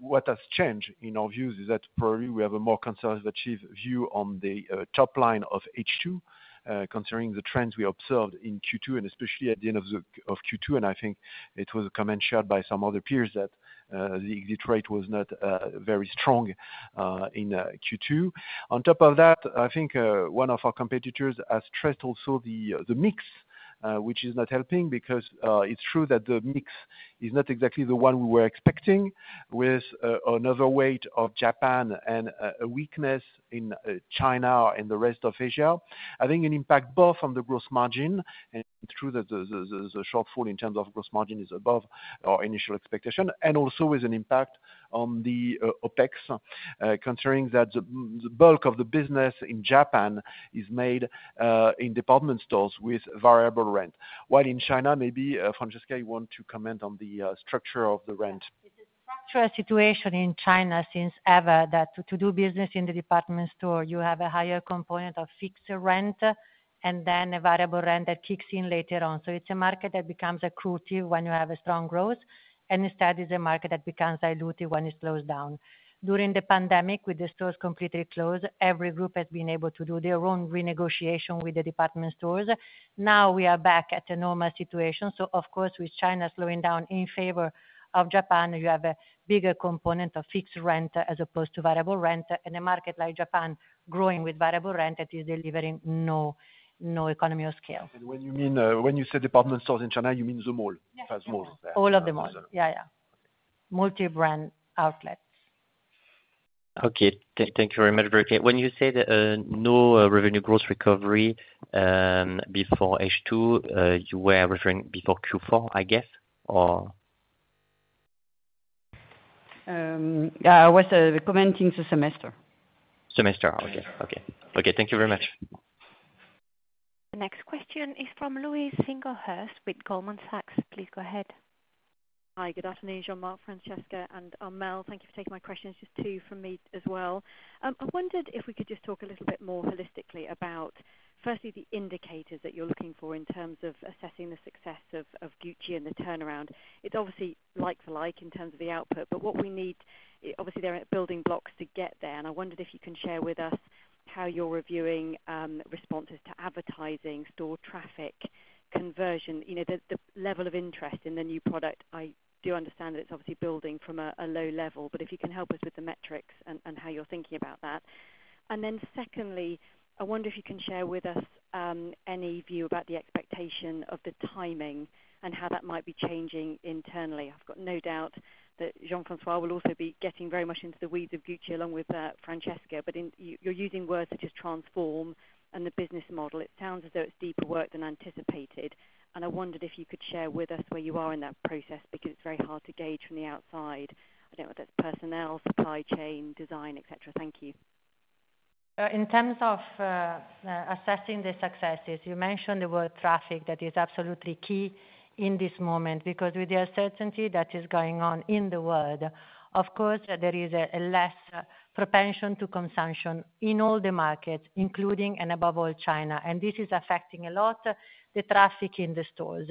what has changed in our views is that probably we have a more conservative view on the top line of H2, considering the trends we observed in Q2, and especially at the end of Q2. And I think it was a comment shared by some other peers that the exit rate was not very strong in Q2. On top of that, I think one of our competitors has stressed also the mix, which is not helping because it's true that the mix is not exactly the one we were expecting with another weight of Japan and a weakness in China and the rest of Asia. I think an impact both on the gross margin and through the shortfall in terms of gross margin is above our initial expectation, and also with an impact on the OpEx, considering that the bulk of the business in Japan is made in department stores with variable rent. While in China, maybe Francesca, you want to comment on the structure of the rent. It's a structural situation in China since ever that to do business in the department store, you have a higher component of fixed rent and then a variable rent that kicks in later on. So it's a market that becomes attractive when you have a strong growth, and instead, it's a market that becomes diluted when it slows down. During the pandemic, with the stores completely closed, every group has been able to do their own renegotiation with the department stores. Now we are back at a normal situation. So, of course, with China slowing down in favor of Japan, you have a bigger component of fixed rent as opposed to variable rent. And a market like Japan growing with variable rent that is delivering no economy of scale. And when you say department stores in China, you mean the mall? Yes, all of the malls. Yeah, yeah. Multi-brand outlets. Okay. Thank you very much. When you say no revenue growth recovery before H2, you were referring before Q4, I guess, or? I was commenting the semester. Semester. Okay. Okay. Okay. Thank you very much. The next question is from Louise Singlehurst with Goldman Sachs. Please go ahead. Hi, good afternoon, Jean-Marc, Francesca, and Armelle. Thank you for taking my questions. Just two from me as well. I wondered if we could just talk a little bit more holistically about, firstly, the indicators that you're looking for in terms of assessing the success of Gucci and the turnaround. It's obviously like for like in terms of the output, but what we need, obviously, there are building blocks to get there. I wondered if you can share with us how you're reviewing responses to advertising, store traffic, conversion, the level of interest in the new product. I do understand that it's obviously building from a low level, but if you can help us with the metrics and how you're thinking about that. Then secondly, I wonder if you can share with us any view about the expectation of the timing and how that might be changing internally. I've got no doubt that Jean-François will also be getting very much into the weeds of Gucci along with Francesca, but you're using words such as transform and the business model. It sounds as though it's deeper work than anticipated. I wondered if you could share with us where you are in that process because it's very hard to gauge from the outside. I don't know if that's personnel, supply chain, design, etc. Thank you. In terms of assessing the successes, you mentioned the word traffic that is absolutely key in this moment because with the uncertainty that is going on in the world, of course, there is a less propensity to consumption in all the markets, including and above all China. This is affecting a lot the traffic in the stores.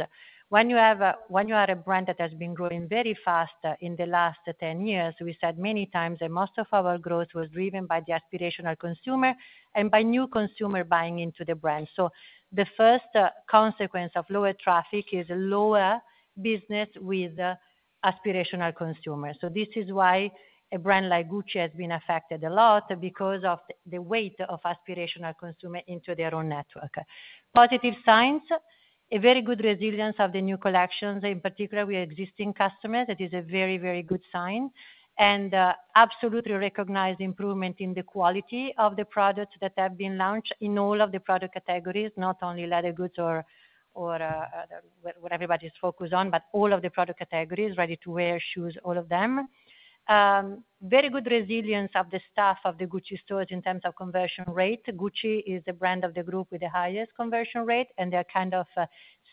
When you are a brand that has been growing very fast in the last 10 years, we said many times that most of our growth was driven by the aspirational consumer and by new consumer buying into the brand. So the first consequence of lower traffic is lower business with aspirational consumers. So this is why a brand like Gucci has been affected a lot because of the weight of aspirational consumer into their own network. Positive signs, a very good resilience of the new collections, in particular with existing customers. It is a very, very good sign. And absolutely recognized improvement in the quality of the products that have been launched in all of the product categories, not only leather goods or what everybody's focused on, but all of the product categories, ready-to-wear shoes, all of them. Very good resilience of the staff of the Gucci stores in terms of conversion rate. Gucci is the brand of the group with the highest conversion rate, and they're kind of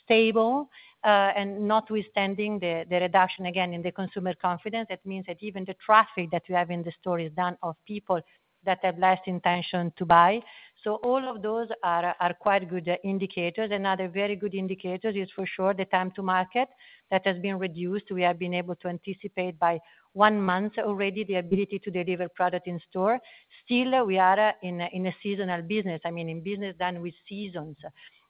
stable, and notwithstanding the reduction again in the consumer confidence. That means that even the traffic that we have in the store is done of people that have less intention to buy. So all of those are quite good indicators. Another very good indicator is for sure the time to market that has been reduced. We have been able to anticipate by 1 month already the ability to deliver product in store. Still, we are in a seasonal business. I mean, in business done with seasons.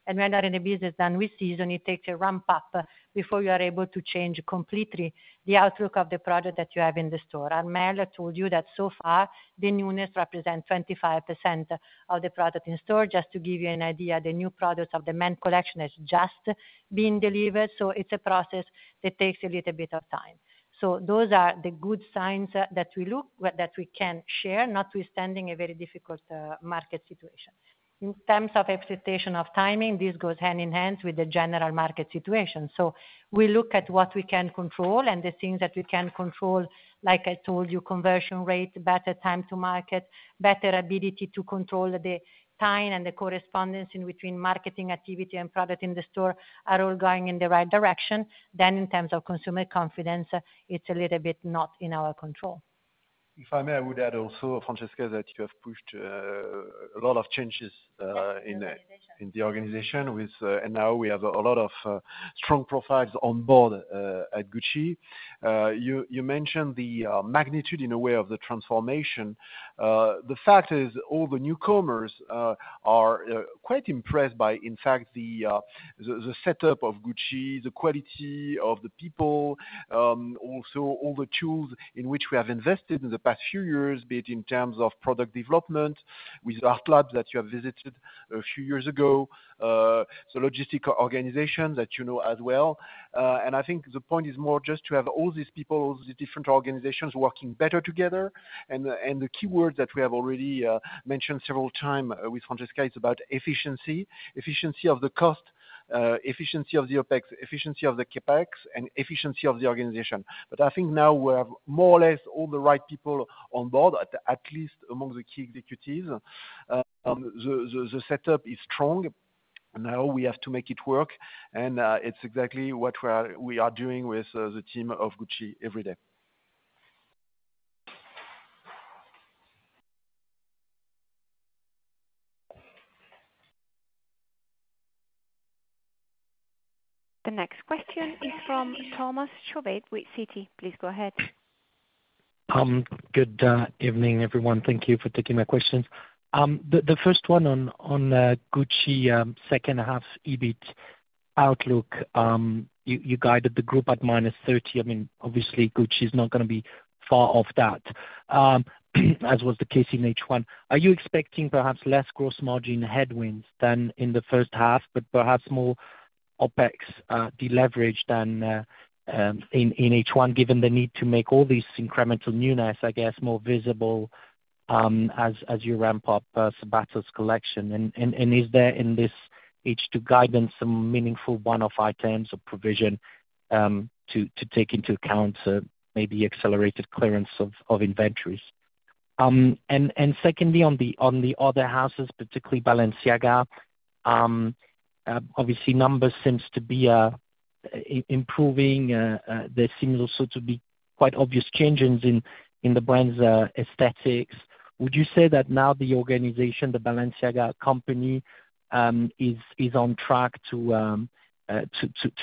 When you are in a business done with seasons, it takes a ramp-up before you are able to change completely the outlook of the product that you have in the store. Armelle told you that so far, the newness represents 25% of the product in store. Just to give you an idea, the new products of the men's collection are just being delivered. So it's a process that takes a little bit of time. So those are the good signs that we look at that we can share, notwithstanding a very difficult market situation. In terms of expectation of timing, this goes hand in hand with the general market situation. So we look at what we can control and the things that we can control, like I told you, conversion rate, better time to market, better ability to control the time and the correspondence in between marketing activity and product in the store are all going in the right direction. Then in terms of consumer confidence, it's a little bit not in our control. If I may, I would add also, Francesca, that you have pushed a lot of changes in the organization. Now we have a lot of strong profiles on board at Gucci. You mentioned the magnitude in a way of the transformation. The fact is all the newcomers are quite impressed by, in fact, the setup of Gucci, the quality of the people, also all the tools in which we have invested in the past few years, be it in terms of product development with ArtLab that you have visited a few years ago, the logistical organization that you know as well. I think the point is more just to have all these people, all these different organizations working better together. And the key words that we have already mentioned several times with Francesca is about efficiency, efficiency of the cost, efficiency of the OpEx, efficiency of the CapEx, and efficiency of the organization. But I think now we have more or less all the right people on board, at least among the key executives. The setup is strong. Now we have to make it work. And it's exactly what we are doing with the team of Gucci every day. The next question is from Thomas Chauvet with Citi. Please go ahead. Good evening, everyone. Thank you for taking my questions. The first one on Gucci second half EBIT outlook, you guided the group at -30%. I mean, obviously, Gucci is not going to be far off that, as was the case in H1. Are you expecting perhaps less gross margin headwinds than in the first half, but perhaps more OpEx deleveraged than in H1, given the need to make all these incremental newness, I guess, more visible as you ramp up Sabato's collection? And is there in this H2 guidance some meaningful one-off items of provision to take into account maybe accelerated clearance of inventories? And secondly, on the other houses, particularly Balenciaga, obviously, numbers seem to be improving. There seems also to be quite obvious changes in the brand's aesthetics. Would you say that now the organization, the Balenciaga company, is on track to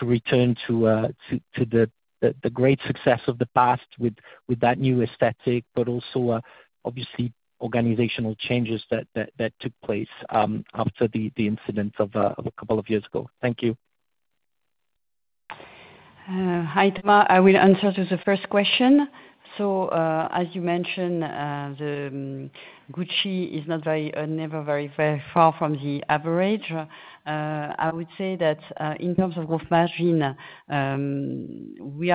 return to the great success of the past with that new aesthetic, but also, obviously, organizational changes that took place after the incident of a couple of years ago? Thank you. Hi, Thomas. I will answer to the first question. So, as you mentioned, Gucci is never very far from the average. I would say that in terms of gross margin, there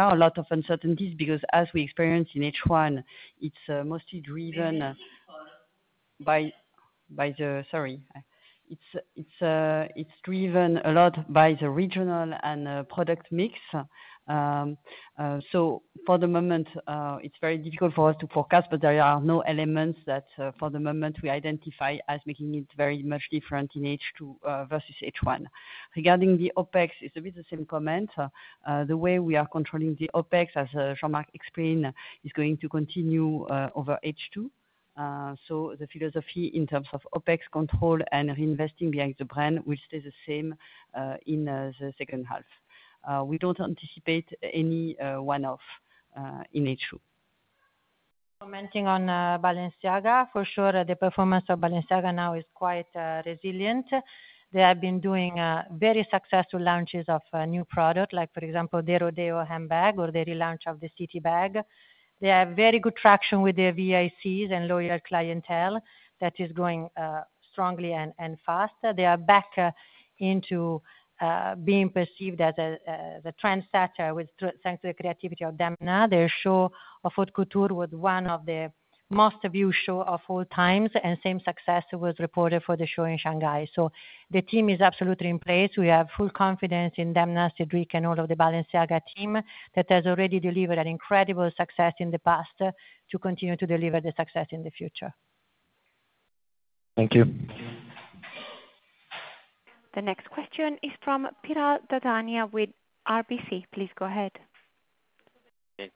are a lot of uncertainties because, as we experienced in H1, it's mostly driven by the regional and product mix. So, for the moment, it's very difficult for us to forecast, but there are no elements that, for the moment, we identify as making it very much different in H2 versus H1. Regarding the OPEX, it's a bit the same comment. The way we are controlling the OpEx, as Jean-Marc explained, is going to continue over H2. So, the philosophy in terms of OPEX control and reinvesting behind the brand will stay the same in the second half. We don't anticipate any one-off in H2. Commenting on Balenciaga, for sure, the performance of Balenciaga now is quite resilient. They have been doing very successful launches of new products, like, for example, Rodeo handbag or the relaunch of the City bag. They have very good traction with their VICs and loyal clientele that is going strongly and fast. They are back into being perceived as a trendsetter thanks to the creativity of Demna. Their show of Haute Couture was one of the most viewed shows of all times, and same success was reported for the show in Shanghai. So, the team is absolutely in place. We have full confidence in Demna, Cédric, and all of the Balenciaga team that has already delivered an incredible success in the past to continue to deliver the success in the future. Thank you. The next question is from Piral Dadhania with RBC. Please go ahead.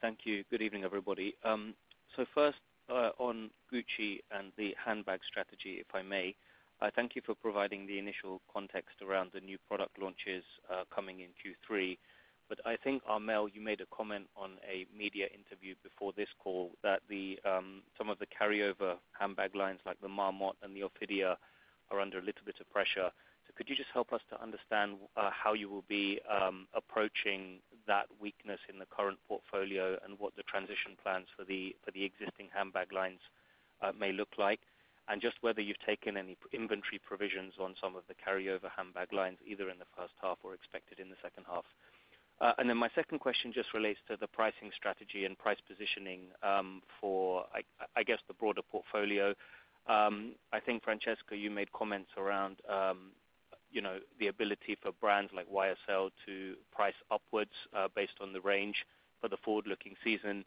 Thank you. Good evening, everybody. So, first, on Gucci and the handbag strategy, if I may, I thank you for providing the initial context around the new product launches coming in Q3. But I think, Armelle, you made a comment on a media interview before this call that some of the carryover handbag lines like the Marmont and the Ophidia are under a little bit of pressure. So, could you just help us to understand how you will be approaching that weakness in the current portfolio and what the transition plans for the existing handbag lines may look like, and just whether you've taken any inventory provisions on some of the carryover handbag lines, either in the first half or expected in the second half? And then my second question just relates to the pricing strategy and price positioning for, I guess, the broader portfolio. I think, Francesca, you made comments around the ability for brands like YSL to price upwards based on the range for the forward-looking season.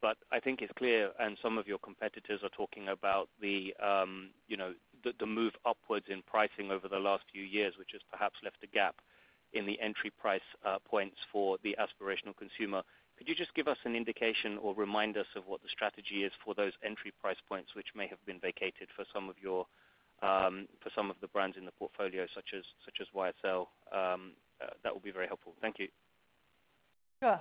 But I think it's clear, and some of your competitors are talking about the move upwards in pricing over the last few years, which has perhaps left a gap in the entry price points for the aspirational consumer. Could you just give us an indication or remind us of what the strategy is for those entry price points which may have been vacated for some of the brands in the portfolio, such as YSL? That would be very helpful. Thank you. Sure.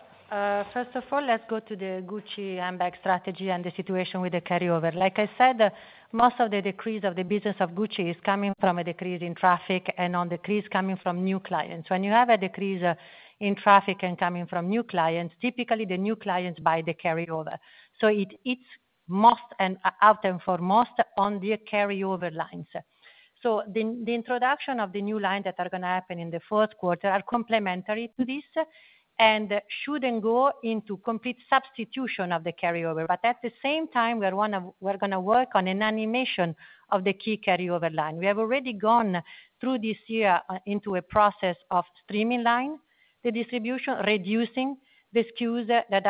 First of all, let's go to the Gucci handbag strategy and the situation with the carryover. Like I said, most of the decrease of the business of Gucci is coming from a decrease in traffic and a decrease coming from new clients. When you have a decrease in traffic and coming from new clients, typically, the new clients buy the carryover. So, it's first and foremost on the carryover lines. So, the introduction of the new line that are going to happen in the fourth quarter are complementary to this and shouldn't go into complete substitution of the carryover. But at the same time, we're going to work on an animation of the key carryover line. We have already gone through this year into a process of streamlining distribution, reducing the SKUs that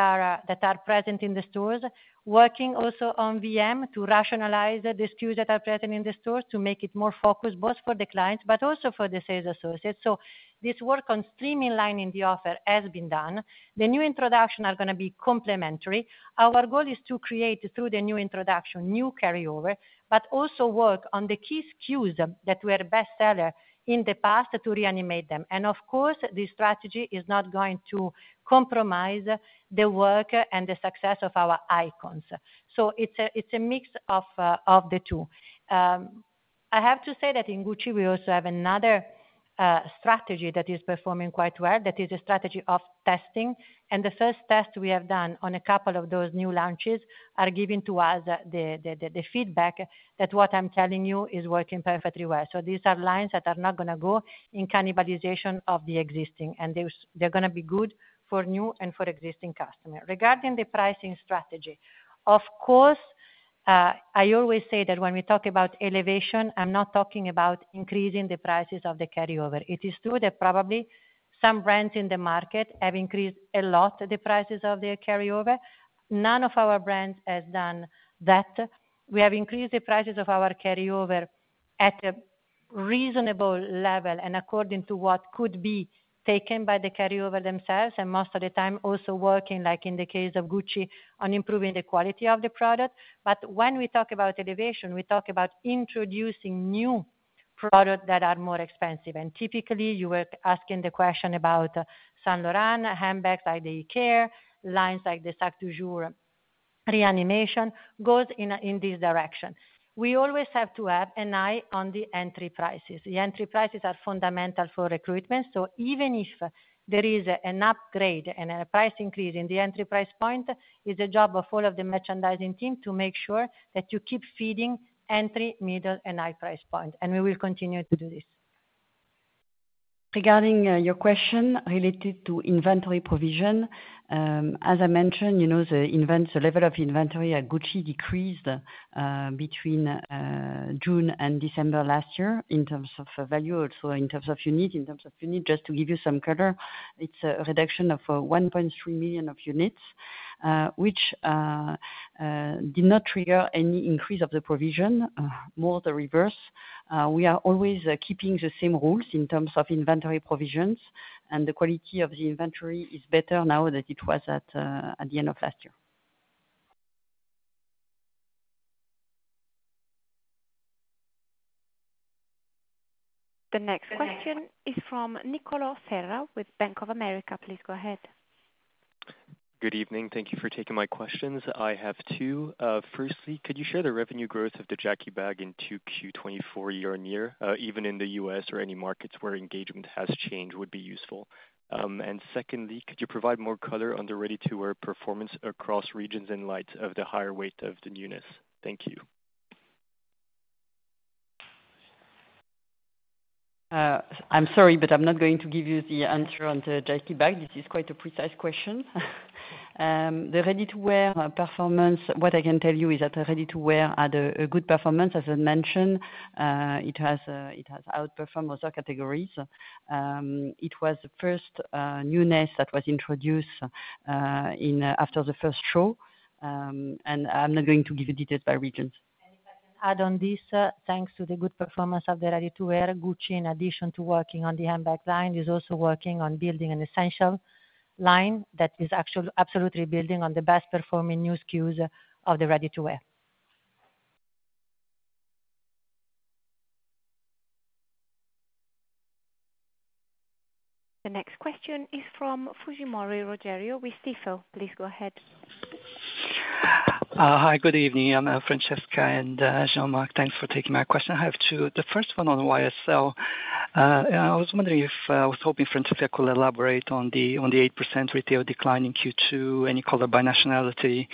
are present in the stores, working also on VM to rationalize the SKUs that are present in the stores to make it more focused both for the clients but also for the sales associates. So, this work on streamlining in the offer has been done. The new introductions are going to be complementary. Our goal is to create, through the new introduction, new carryover, but also work on the key SKUs that were bestseller in the past to reanimate them. And, of course, this strategy is not going to compromise the work and the success of our icons. So, it's a mix of the two. I have to say that in Gucci, we also have another strategy that is performing quite well, that is a strategy of testing. The first test we have done on a couple of those new launches is giving to us the feedback that what I'm telling you is working perfectly well. So, these are lines that are not going to go in cannibalization of the existing. And they're going to be good for new and for existing customers. Regarding the pricing strategy, of course, I always say that when we talk about elevation, I'm not talking about increasing the prices of the carryover. It is true that probably some brands in the market have increased a lot the prices of their carryover. None of our brands has done that. We have increased the prices of our carryover at a reasonable level and according to what could be taken by the carryover themselves, and most of the time also working, like in the case of Gucci, on improving the quality of the product. But when we talk about elevation, we talk about introducing new products that are more expensive. And typically, you were asking the question about Saint Laurent handbags like the Icare, lines like the Sac de Jour reanimation goes in this direction. We always have to have an eye on the entry prices. The entry prices are fundamental for recruitment. So, even if there is an upgrade and a price increase in the entry price point, it's the job of all of the merchandising team to make sure that you keep feeding entry, middle, and high price point. And we will continue to do this. Regarding your question related to inventory provision, as I mentioned, the level of inventory at Gucci decreased between June and December last year in terms of value, also in terms of unit. In terms of unit, just to give you some color, it's a reduction of 1.3 million units, which did not trigger any increase of the provision, more the reverse. We are always keeping the same rules in terms of inventory provisions. The quality of the inventory is better now than it was at the end of last year. The next question is from Niccolo Serra with Bank of America. Please go ahead. Good evening. Thank you for taking my questions. I have two. Firstly, could you share the revenue growth of the Jackie bag in 2Q 2024 year-on-year, even in the U.S. or any markets where engagement has changed would be useful? And secondly, could you provide more color on the ready-to-wear performance across regions in light of the higher weight of the newness? Thank you. I'm sorry, but I'm not going to give you the answer on the Jackie bag. This is quite a precise question. The ready-to-wear performance, what I can tell you is that the ready-to-wear had a good performance, as I mentioned. It has outperformed other categories. It was the first newness that was introduced after the first show. I'm not going to give you details by regions. If I can add on this, thanks to the good performance of the ready-to-wear, Gucci, in addition to working on the handbag line, is also working on building an essential line that is absolutely building on the best-performing new SKUs of the ready-to-wear. The next question is from Rogerio Fujimori with Stifel. Please go ahead. Hi, good evening, Francesca and Jean-Marc. Thanks for taking my question. I have two. The first one on YSL. I was wondering if I was hoping Francesca could elaborate on the 8% retail decline in Q2, any color by nationality,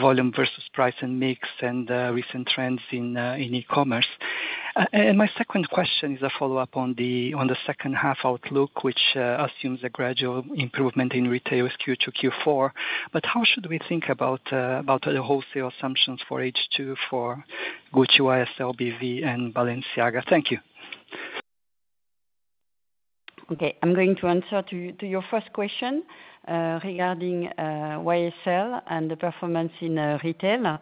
volume versus price and mix, and recent trends in e-commerce. And my second question is a follow-up on the second half outlook, which assumes a gradual improvement in retail Q2, Q4. But how should we think about the wholesale assumptions for H2 for Gucci, YSL, BV, and Balenciaga? Thank you. Okay. I'm going to answer to your first question regarding YSL and the performance in retail.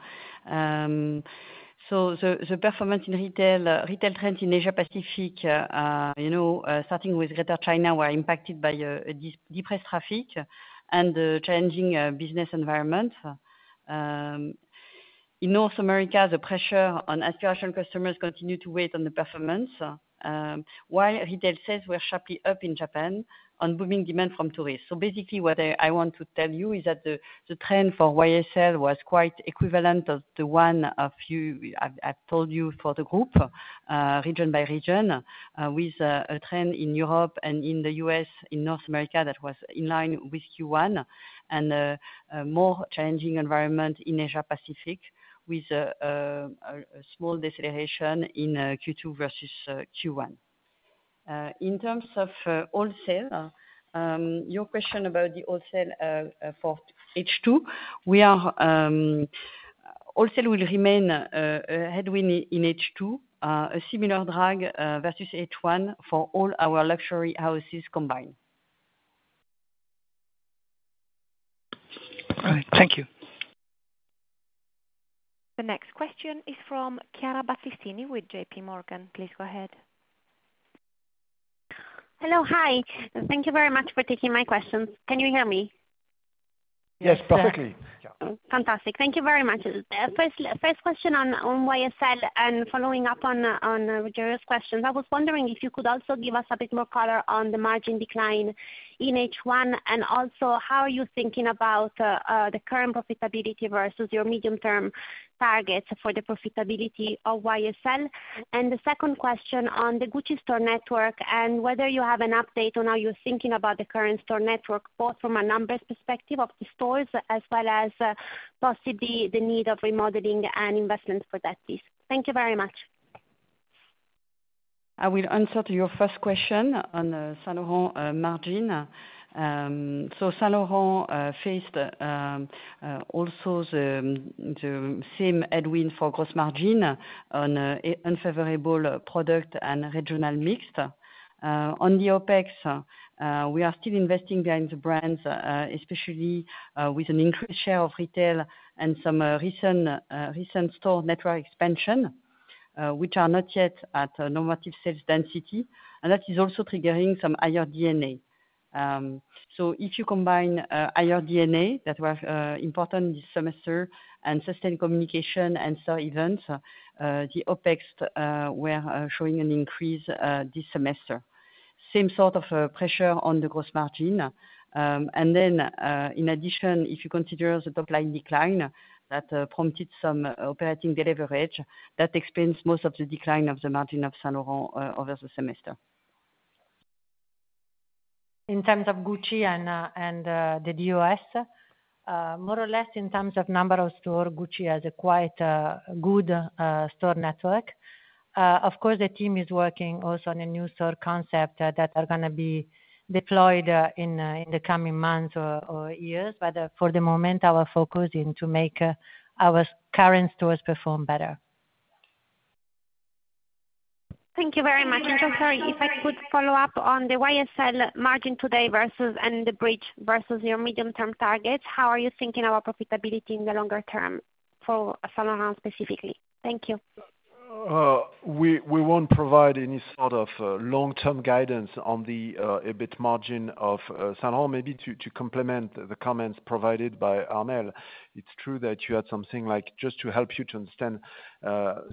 So, the performance in retail trends in Asia-Pacific, starting with Greater China, were impacted by depressed traffic and changing business environments. In North America, the pressure on aspirational customers continued to wait on the performance, while retail sales were sharply up in Japan on booming demand from tourists. So, basically, what I want to tell you is that the trend for YSL was quite equivalent to the one I've told you for the group, region by region, with a trend in Europe and in the U.S., in North America, that was in line with Q1, and a more challenging environment in Asia-Pacific with a small deceleration in Q2 versus Q1. In terms of wholesale, your question about the wholesale for H2, wholesale will remain a headwind in H2, a similar drag versus H1 for all our luxury houses combined. All right. Thank you. The next question is from Chiara Battistini with JPMorgan. Please go ahead. Hello. Hi. Thank you very much for taking my questions. Can you hear me? Yes, perfectly. Fantastic. Thank you very much. First question on YSL and following up on Rogerio's questions. I was wondering if you could also give us a bit more color on the margin decline in H1, and also, how are you thinking about the current profitability versus your medium-term targets for the profitability of YSL? The second question on the Gucci store network and whether you have an update on how you're thinking about the current store network, both from a numbers perspective of the stores as well as possibly the need of remodeling and investment for that piece. Thank you very much. I will answer to your first question on Saint Laurent margin. So, Saint Laurent faced also the same headwind for gross margin on unfavorable product and regional mix. On the OpEx, we are still investing behind the brands, especially with an increased share of retail and some recent store network expansion, which are not yet at normative sales density. That is also triggering some higher D&A. So, if you combine higher D&A that were important this semester and sustained communication and store events, the OpEx were showing an increase this semester. Same sort of pressure on the gross margin. And then, in addition, if you consider the top-line decline that prompted some operating deleverage, that explains most of the decline of the margin of Saint Laurent over the semester. In terms of Gucci and the DOS, more or less, in terms of number of stores, Gucci has a quite good store network. Of course, the team is working also on a new store concept that are going to be deployed in the coming months or years. But for the moment, our focus is to make our current stores perform better. Thank you very much. Sorry, if I could follow up on the YSL margin today and the bridge versus your medium-term targets, how are you thinking about profitability in the longer term for Saint Laurent specifically? Thank you. We won't provide any sort of long-term guidance on the EBIT margin of Saint Laurent, maybe to complement the comments provided by Armelle. It's true that you had something like, just to help you to understand,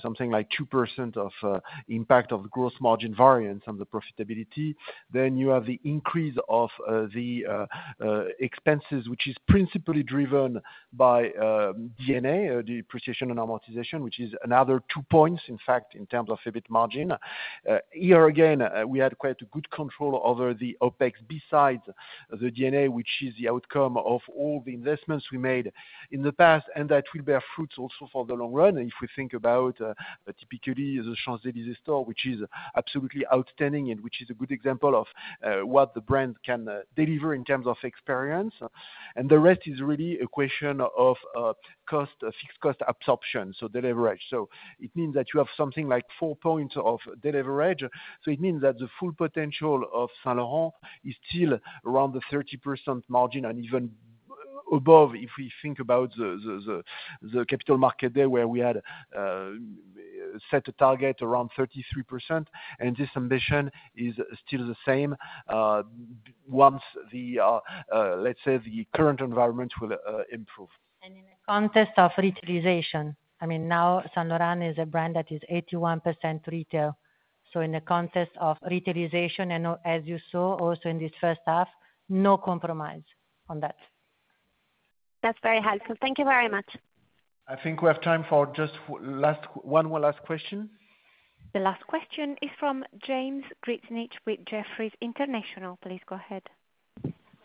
something like 2% of impact of the gross margin variance on the profitability. Then you have the increase of the expenses, which is principally driven by D&A, depreciation and amortization, which is another two points, in fact, in terms of EBIT margin. Here again, we had quite good control over the OpEx besides the D&A, which is the outcome of all the investments we made in the past, and that will bear fruits also for the long run if we think about typically the Champs-Élysées store, which is absolutely outstanding and which is a good example of what the brand can deliver in terms of experience. And the rest is really a question of fixed cost absorption, so leverage. So, it means that you have something like four points of leverage. So, it means that the full potential of Saint Laurent is still around the 30% margin and even above if we think about the Capital Market Day where we had set a target around 33%. And this ambition is still the same once, let's say, the current environment will improve. And in the context of retailization, I mean, now Saint Laurent is a brand that is 81% retail. So, in the context of retailization, and as you saw also in this first half, no compromise on that. That's very helpful. Thank you very much. I think we have time for just one more last question. The last question is from James Grzinic with Jefferies International. Please go ahead.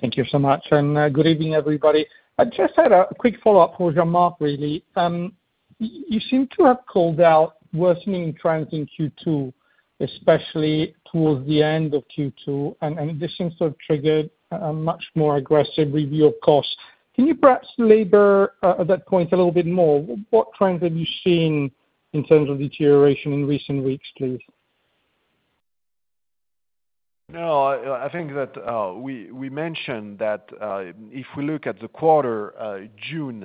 Thank you so much. And good evening, everybody. I just had a quick follow-up for Jean-Marc, really. You seem to have called out worsening trends in Q2, especially towards the end of Q2. And this seems to have triggered a much more aggressive review of costs. Can you perhaps elaborate at that point a little bit more? What trends have you seen in terms of deterioration in recent weeks, please? No, I think that we mentioned that if we look at the quarter, June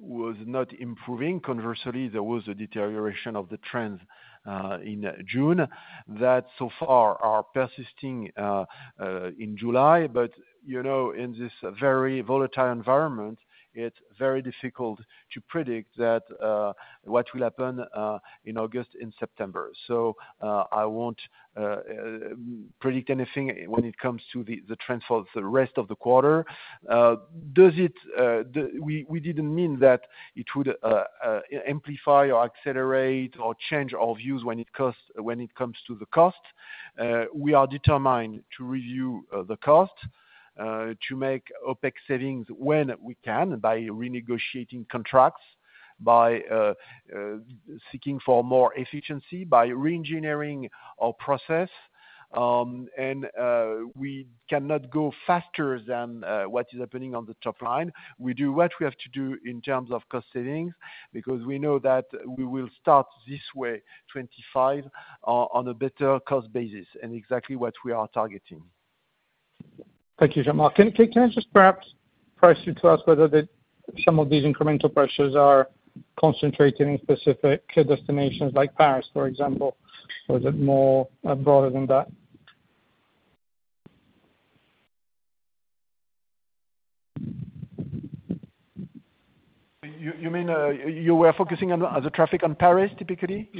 was not improving. Conversely, there was a deterioration of the trends in June that so far are persisting in July. But in this very volatile environment, it's very difficult to predict what will happen in August and September. So, I won't predict anything when it comes to the trends for the rest of the quarter. We didn't mean that it would amplify or accelerate or change our views when it comes to the cost. We are determined to review the cost, to make OpEx savings when we can by renegotiating contracts, by seeking for more efficiency, by re-engineering our process. We cannot go faster than what is happening on the top line. We do what we have to do in terms of cost savings because we know that we will start this way, 2025 on a better cost basis and exactly what we are targeting. Thank you, Jean-Marc. Can I just perhaps press you to ask whether some of these incremental pressures are concentrated in specific destinations like Paris, for example, or is it more broader than that? You mean you were focusing on the traffic on Paris, typically?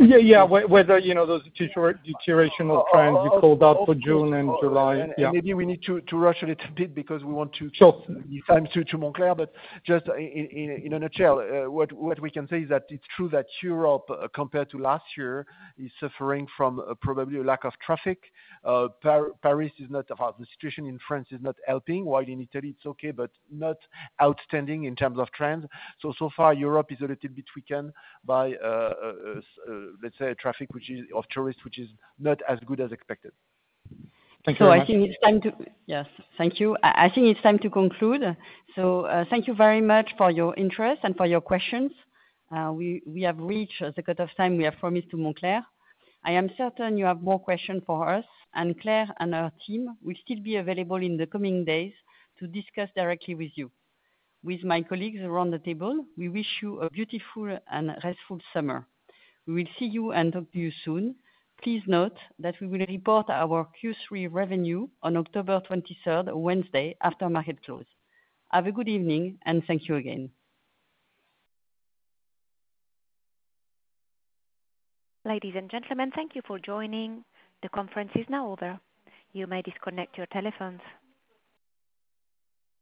Yeah, yeah, whether those deterioration of trends you called out for June and July. Yeah. Maybe we need to rush a little bit because we want to time to Moncler. But just in a nutshell, what we can say is that it's true that Europe, compared to last year, is suffering from probably a lack of traffic. Paris is not. The situation in France is not helping, while in Italy it's okay, but not outstanding in terms of trends. So, so far, Europe is a little bit weakened by, let's say, traffic of tourists, which is not as good as expected. Thank you very much. So, I think it's time to yes. Thank you. I think it's time to conclude. So, thank you very much for your interest and for your questions. We have reached the cut-off time we have promised to Moncler. I am certain you have more questions for us, and Claire and her team will still be available in the coming days to discuss directly with you. With my colleagues around the table, we wish you a beautiful and restful summer. We will see you and talk to you soon. Please note that we will report our Q3 revenue on October 23rd, Wednesday, after market close. Have a good evening, and thank you again. Ladies and gentlemen, thank you for joining. The conference is now over. You may disconnect your telephones.